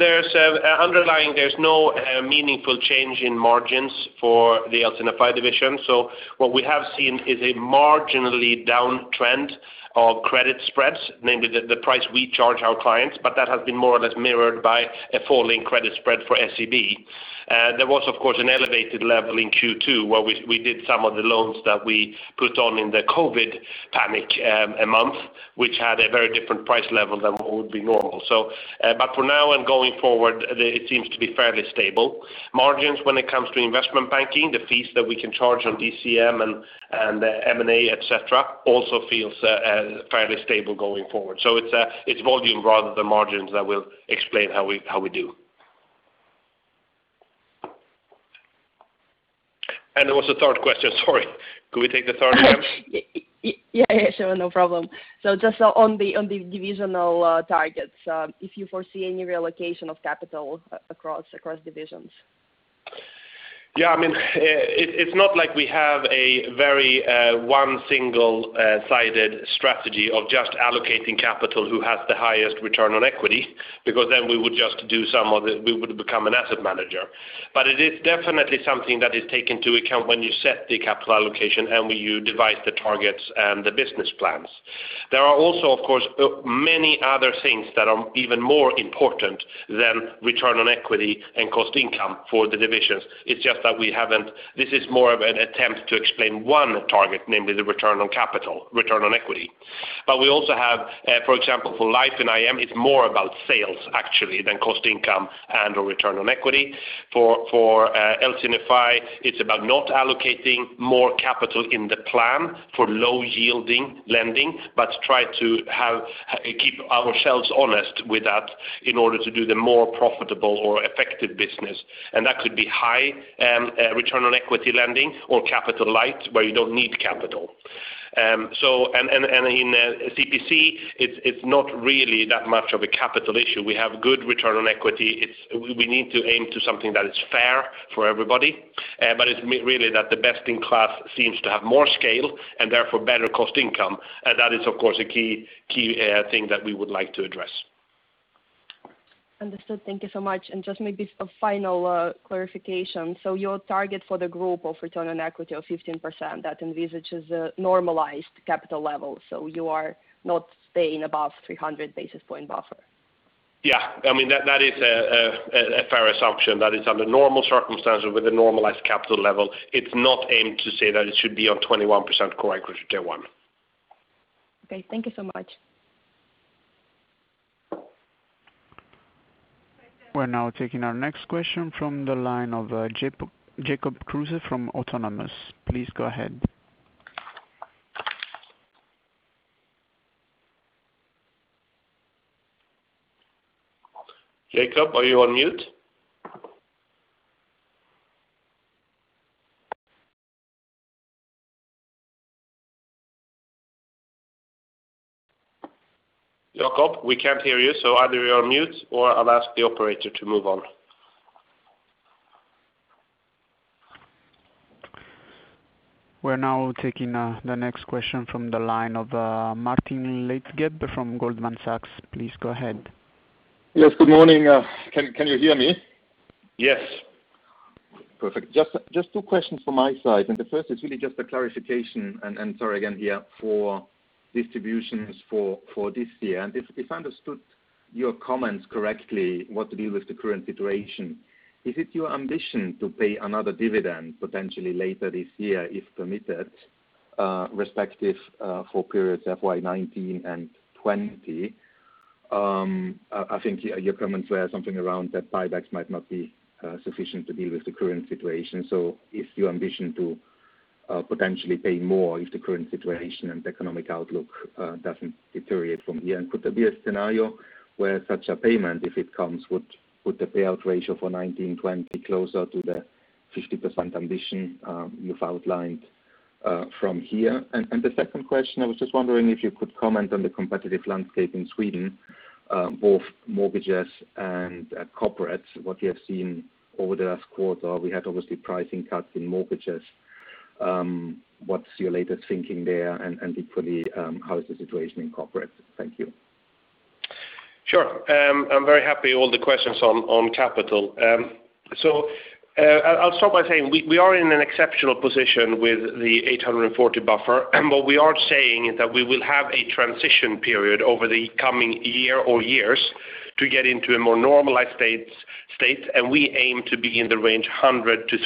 underlying, there's no meaningful change in margins for the LC&FI division. What we have seen is a marginally down trend of credit spreads, namely the price we charge our clients, but that has been more or less mirrored by a falling credit spread for SEB. There was, of course, an elevated level in Q2 where we did some of the loans that we put on in the COVID panic month, which had a very different price level than what would be normal. For now and going forward, it seems to be fairly stable. Margins when it comes to investment banking, the fees that we can charge on ECM and M&A, et cetera, also feels fairly stable going forward. It's volume rather than margins that will explain how we do. There was a third question, sorry. Could we take the third one? Yeah, sure, no problem. Just on the divisional targets, if you foresee any reallocation of capital across divisions? Yeah. It's not like we have a very one single-sided strategy of just allocating capital who has the highest return on equity, because then we would become an asset manager. It is definitely something that is taken into account when you set the capital allocation and when you devise the targets and the business plans. There are also, of course, many other things that are even more important than return on equity and cost income for the divisions. It's just that this is more of an attempt to explain one target, namely the return on capital, return on equity. We also have, for example, for Life and IM, it's more about sales actually than cost income and/or return on equity. For LC&FI, it's about not allocating more capital in the plan for low-yielding lending, try to keep ourselves honest with that in order to do the more profitable or effective business. That could be high return on equity lending or capital light, where you don't need capital. In C&PC, it's not really that much of a capital issue. We have good return on equity. We need to aim to something that is fair for everybody. It's really that the best in class seems to have more scale and therefore better cost income. That is, of course, a key thing that we would like to address. Understood. Thank you so much. Just maybe a final clarification. Your target for the group of return on equity of 15%, that envisages a normalized capital level. You are not staying above 300 basis point buffer? Yeah. That is a fair assumption. That is under normal circumstances with a normalized capital level. It's not aimed to say that it should be on 21% core equity day one. Okay. Thank you so much. We're now taking our next question from the line of Jacob Kruse from Autonomous. Please go ahead. Jacob, are you on mute? Jacob, we can't hear you, so either you're on mute or I'll ask the operator to move on. We're now taking the next question from the line of Martin Leitgeb from Goldman Sachs. Please go ahead. Yes, good morning. Can you hear me? Yes. Perfect. Just two questions from my side, and the first is really just a clarification, and sorry again here for distributions for this year. If I understood your comments correctly, what to do with the current situation, is it your ambition to pay another dividend potentially later this year, if permitted, respective for periods FY 2019 and 2020? I think your comments were something around that buybacks might not be sufficient to deal with the current situation. Is it your ambition to potentially pay more if the current situation and the economic outlook doesn't deteriorate from here? Could there be a scenario where such a payment, if it comes, would put the payout ratio for 2019, 2020 closer to the 50% ambition you've outlined from here? The second question, I was just wondering if you could comment on the competitive landscape in Sweden, both mortgages and corporates, what you have seen over the last quarter? We had, obviously, pricing cuts in mortgages. What's your latest thinking there, and equally, how is the situation in corporate? Thank you. Sure. I'm very happy all the questions on capital. I'll start by saying we are in an exceptional position with the 840 buffer. What we are saying is that we will have a transition period over the coming year or years to get into a more normalized state, and we aim to be in the range 100 to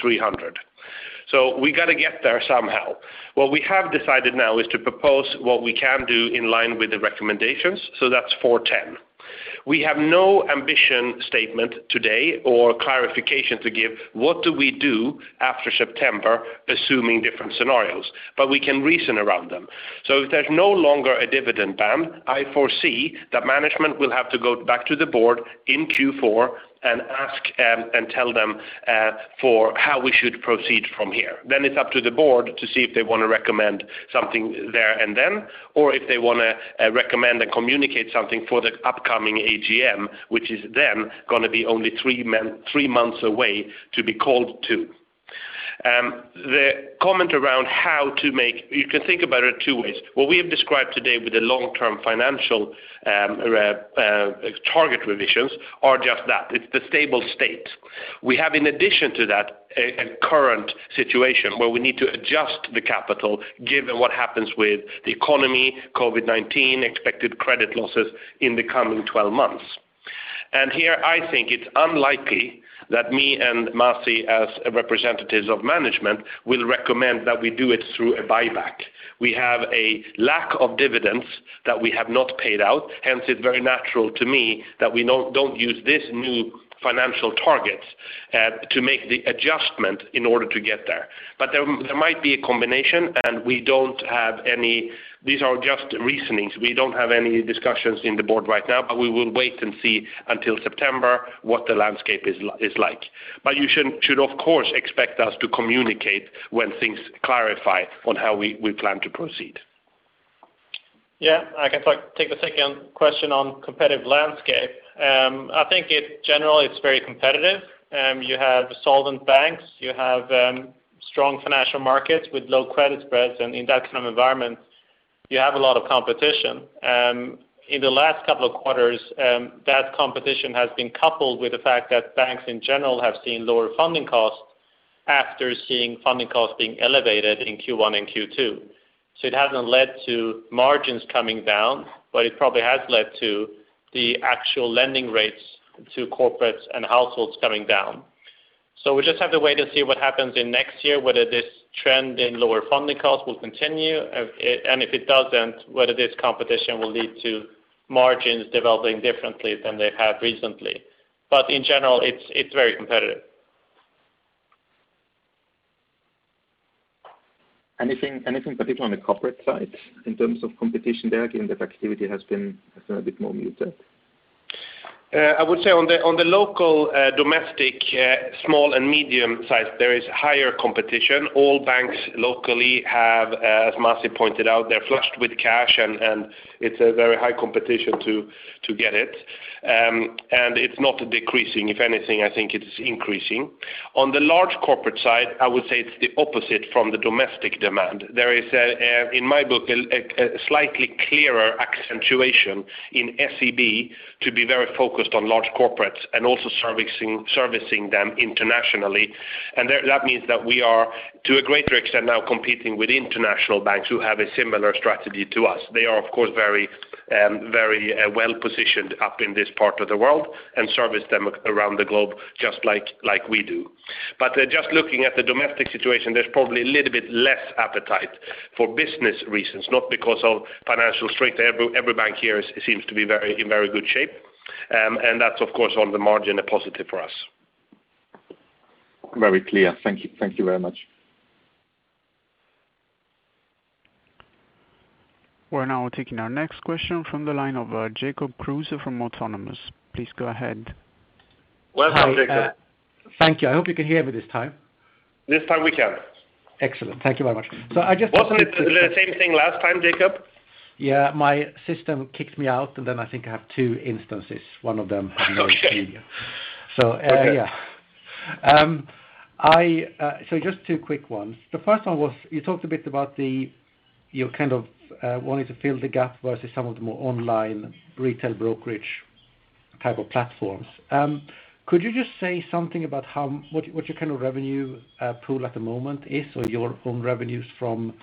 300. We got to get there somehow. What we have decided now is to propose what we can do in line with the recommendations, that's 410. We have no ambition statement today or clarification to give what do we do after September, assuming different scenarios. We can reason around them. If there's no longer a dividend ban, I foresee that management will have to go back to the board in Q4 and ask and tell them for how we should proceed from here. It's up to the board to see if they want to recommend something there and then, or if they want to recommend and communicate something for the upcoming AGM, which is going to be only three months away to be called to. You can think about it two ways. What we have described today with the long-term financial target revisions are just that. It's the stable state. We have, in addition to that, a current situation where we need to adjust the capital given what happens with the economy, COVID-19, expected credit losses in the coming 12 months. Here, I think it's unlikely that me and Masih, as representatives of management, will recommend that we do it through a buyback. We have a lack of dividends that we have not paid out, hence it's very natural to me that we don't use this new financial target to make the adjustment in order to get there. There might be a combination, and these are just reasonings. We don't have any discussions in the board right now, but we will wait and see until September what the landscape is like. You should, of course, expect us to communicate when things clarify on how we plan to proceed. Yeah. I can take the second question on competitive landscape. I think, general, it's very competitive. You have solvent banks. You have strong financial markets with low credit spreads. In that kind of environment, you have a lot of competition. In the last couple of quarters, that competition has been coupled with the fact that banks in general have seen lower funding costs after seeing funding costs being elevated in Q1 and Q2. It hasn't led to margins coming down, but it probably has led to the actual lending rates to corporates and households coming down. We just have to wait and see what happens in next year, whether this trend in lower funding costs will continue. If it doesn't, whether this competition will lead to margins developing differently than they have recently. In general, it's very competitive. Anything particular on the corporate side in terms of competition there, given that activity has been a bit more muted? I would say on the local domestic small and medium size, there is higher competition. All banks locally have, as Masih pointed out, they're flushed with cash, and it's a very high competition to get it. It's not decreasing. If anything, I think it's increasing. On the large corporate side, I would say it's the opposite from the domestic demand. There is, in my book, a slightly clearer accentuation in SEB to be very focused on large corporates and also servicing them internationally. That means that we are, to a greater extent now, competing with international banks who have a similar strategy to us. They are, of course, very well-positioned up in this part of the world and service them around the globe just like we do. Just looking at the domestic situation, there's probably a little bit less appetite for business reasons, not because of financial strength. Every bank here seems to be in very good shape. That's, of course, on the margin, a positive for us. Very clear. Thank you very much. We're now taking our next question from the line of Jacob Kruse from Autonomous. Please go ahead. Welcome, Jacob. Thank you. I hope you can hear me this time. This time we can. Excellent. Thank you very much. Was it the same thing last time, Jacob? Yeah. My system kicked me out, and then I think I have two instances. Okay Yeah. Just two quick ones. The first one was, you talked a bit about the, you're wanting to fill the gap versus some of the more online retail brokerage type of platforms. Could you just say something about what your revenue pool at the moment is, or your own revenues from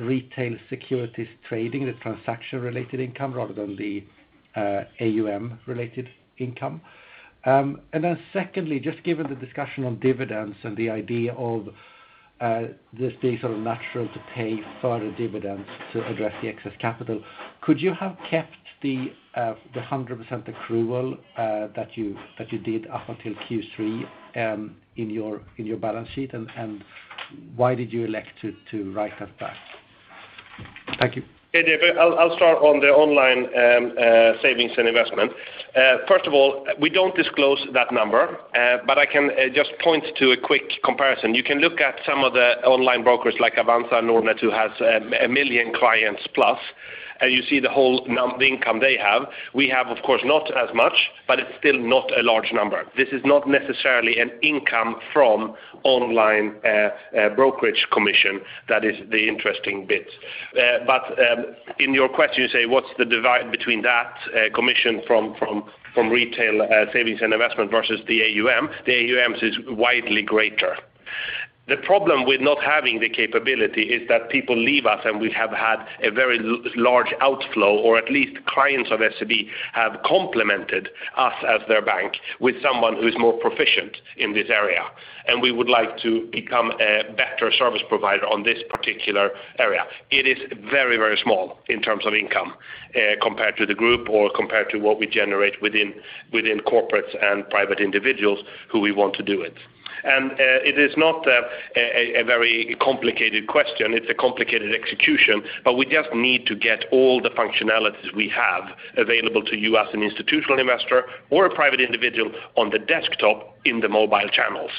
retail securities trading, the transaction-related income rather than the AUM-related income? Secondly, just given the discussion on dividends and the idea of this being natural to pay further dividends to address the excess capital, could you have kept the 100% accrual that you did up until Q3 in your balance sheet? Why did you elect to write that back? Thank you. Hey, David. I'll start on the online savings and investment. We don't disclose that number, but I can just point to a quick comparison. You can look at some of the online brokers like Avanza and Nordnet, who has 1 million clients plus, you see the whole income they have. We have, of course, not as much, it's still not a large number. This is not necessarily an income from online brokerage commission that is the interesting bit. In your question, you say what's the divide between that commission from retail savings and investment versus the AUM. The AUM is widely greater. The problem with not having the capability is that people leave us. We have had a very large outflow, or at least clients of SEB have complemented us as their bank with someone who's more proficient in this area. We would like to become a better service provider on this particular area. It is very small in terms of income compared to the group or compared to what we generate within corporates and private individuals who we want to do it. It is not a very complicated question. It's a complicated execution. We just need to get all the functionalities we have available to you as an institutional investor or a private individual on the desktop in the mobile channels.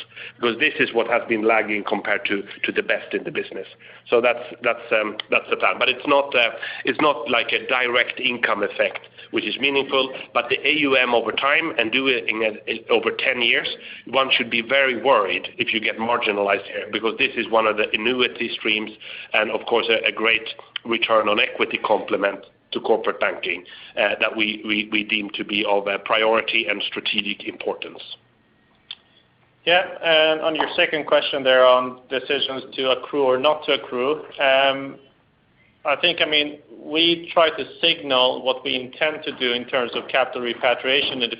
This is what has been lagging compared to the best in the business. That's the plan. It's not like a direct income effect, which is meaningful. The AUM over time and do it over 10 years, one should be very worried if you get marginalized here, because this is one of the annuity streams, and of course, a great return on equity complement to corporate banking that we deem to be of a priority and strategic importance. Yeah. On your second question there on decisions to accrue or not to accrue. We try to signal what we intend to do in terms of capital repatriation in the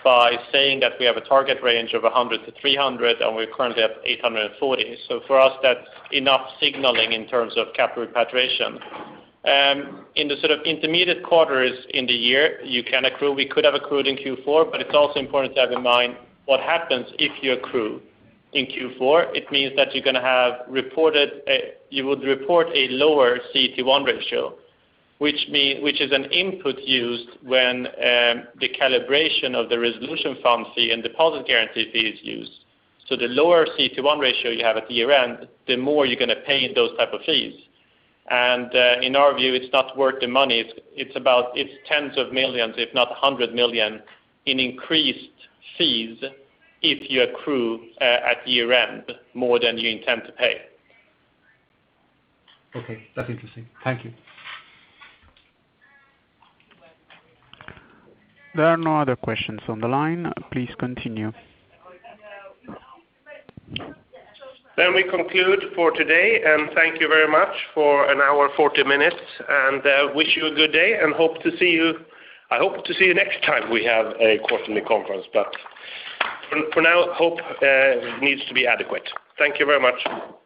future by saying that we have a target range of 100-300, and we currently have 840. For us, that's enough signaling in terms of capital repatriation. In the intermediate quarters in the year, you can accrue. We could have accrued in Q4, it's also important to have in mind what happens if you accrue in Q4. It means that you would report a lower CET1 ratio, which is an input used when the calibration of the resolution fund fee and deposit guarantee fee is used. The lower CET1 ratio you have at the year-end, the more you're going to pay in those type of fees. In our view, it's not worth the money. It's tens of millions, if not 100 million in increased fees if you accrue at year-end more than you intend to pay. Okay. That's interesting. Thank you. There are no other questions on the line. Please continue. We conclude for today, and thank you very much for an hour and 40 minutes, and wish you a good day, and I hope to see you next time we have a quarterly conference. For now, hope needs to be adequate. Thank you very much.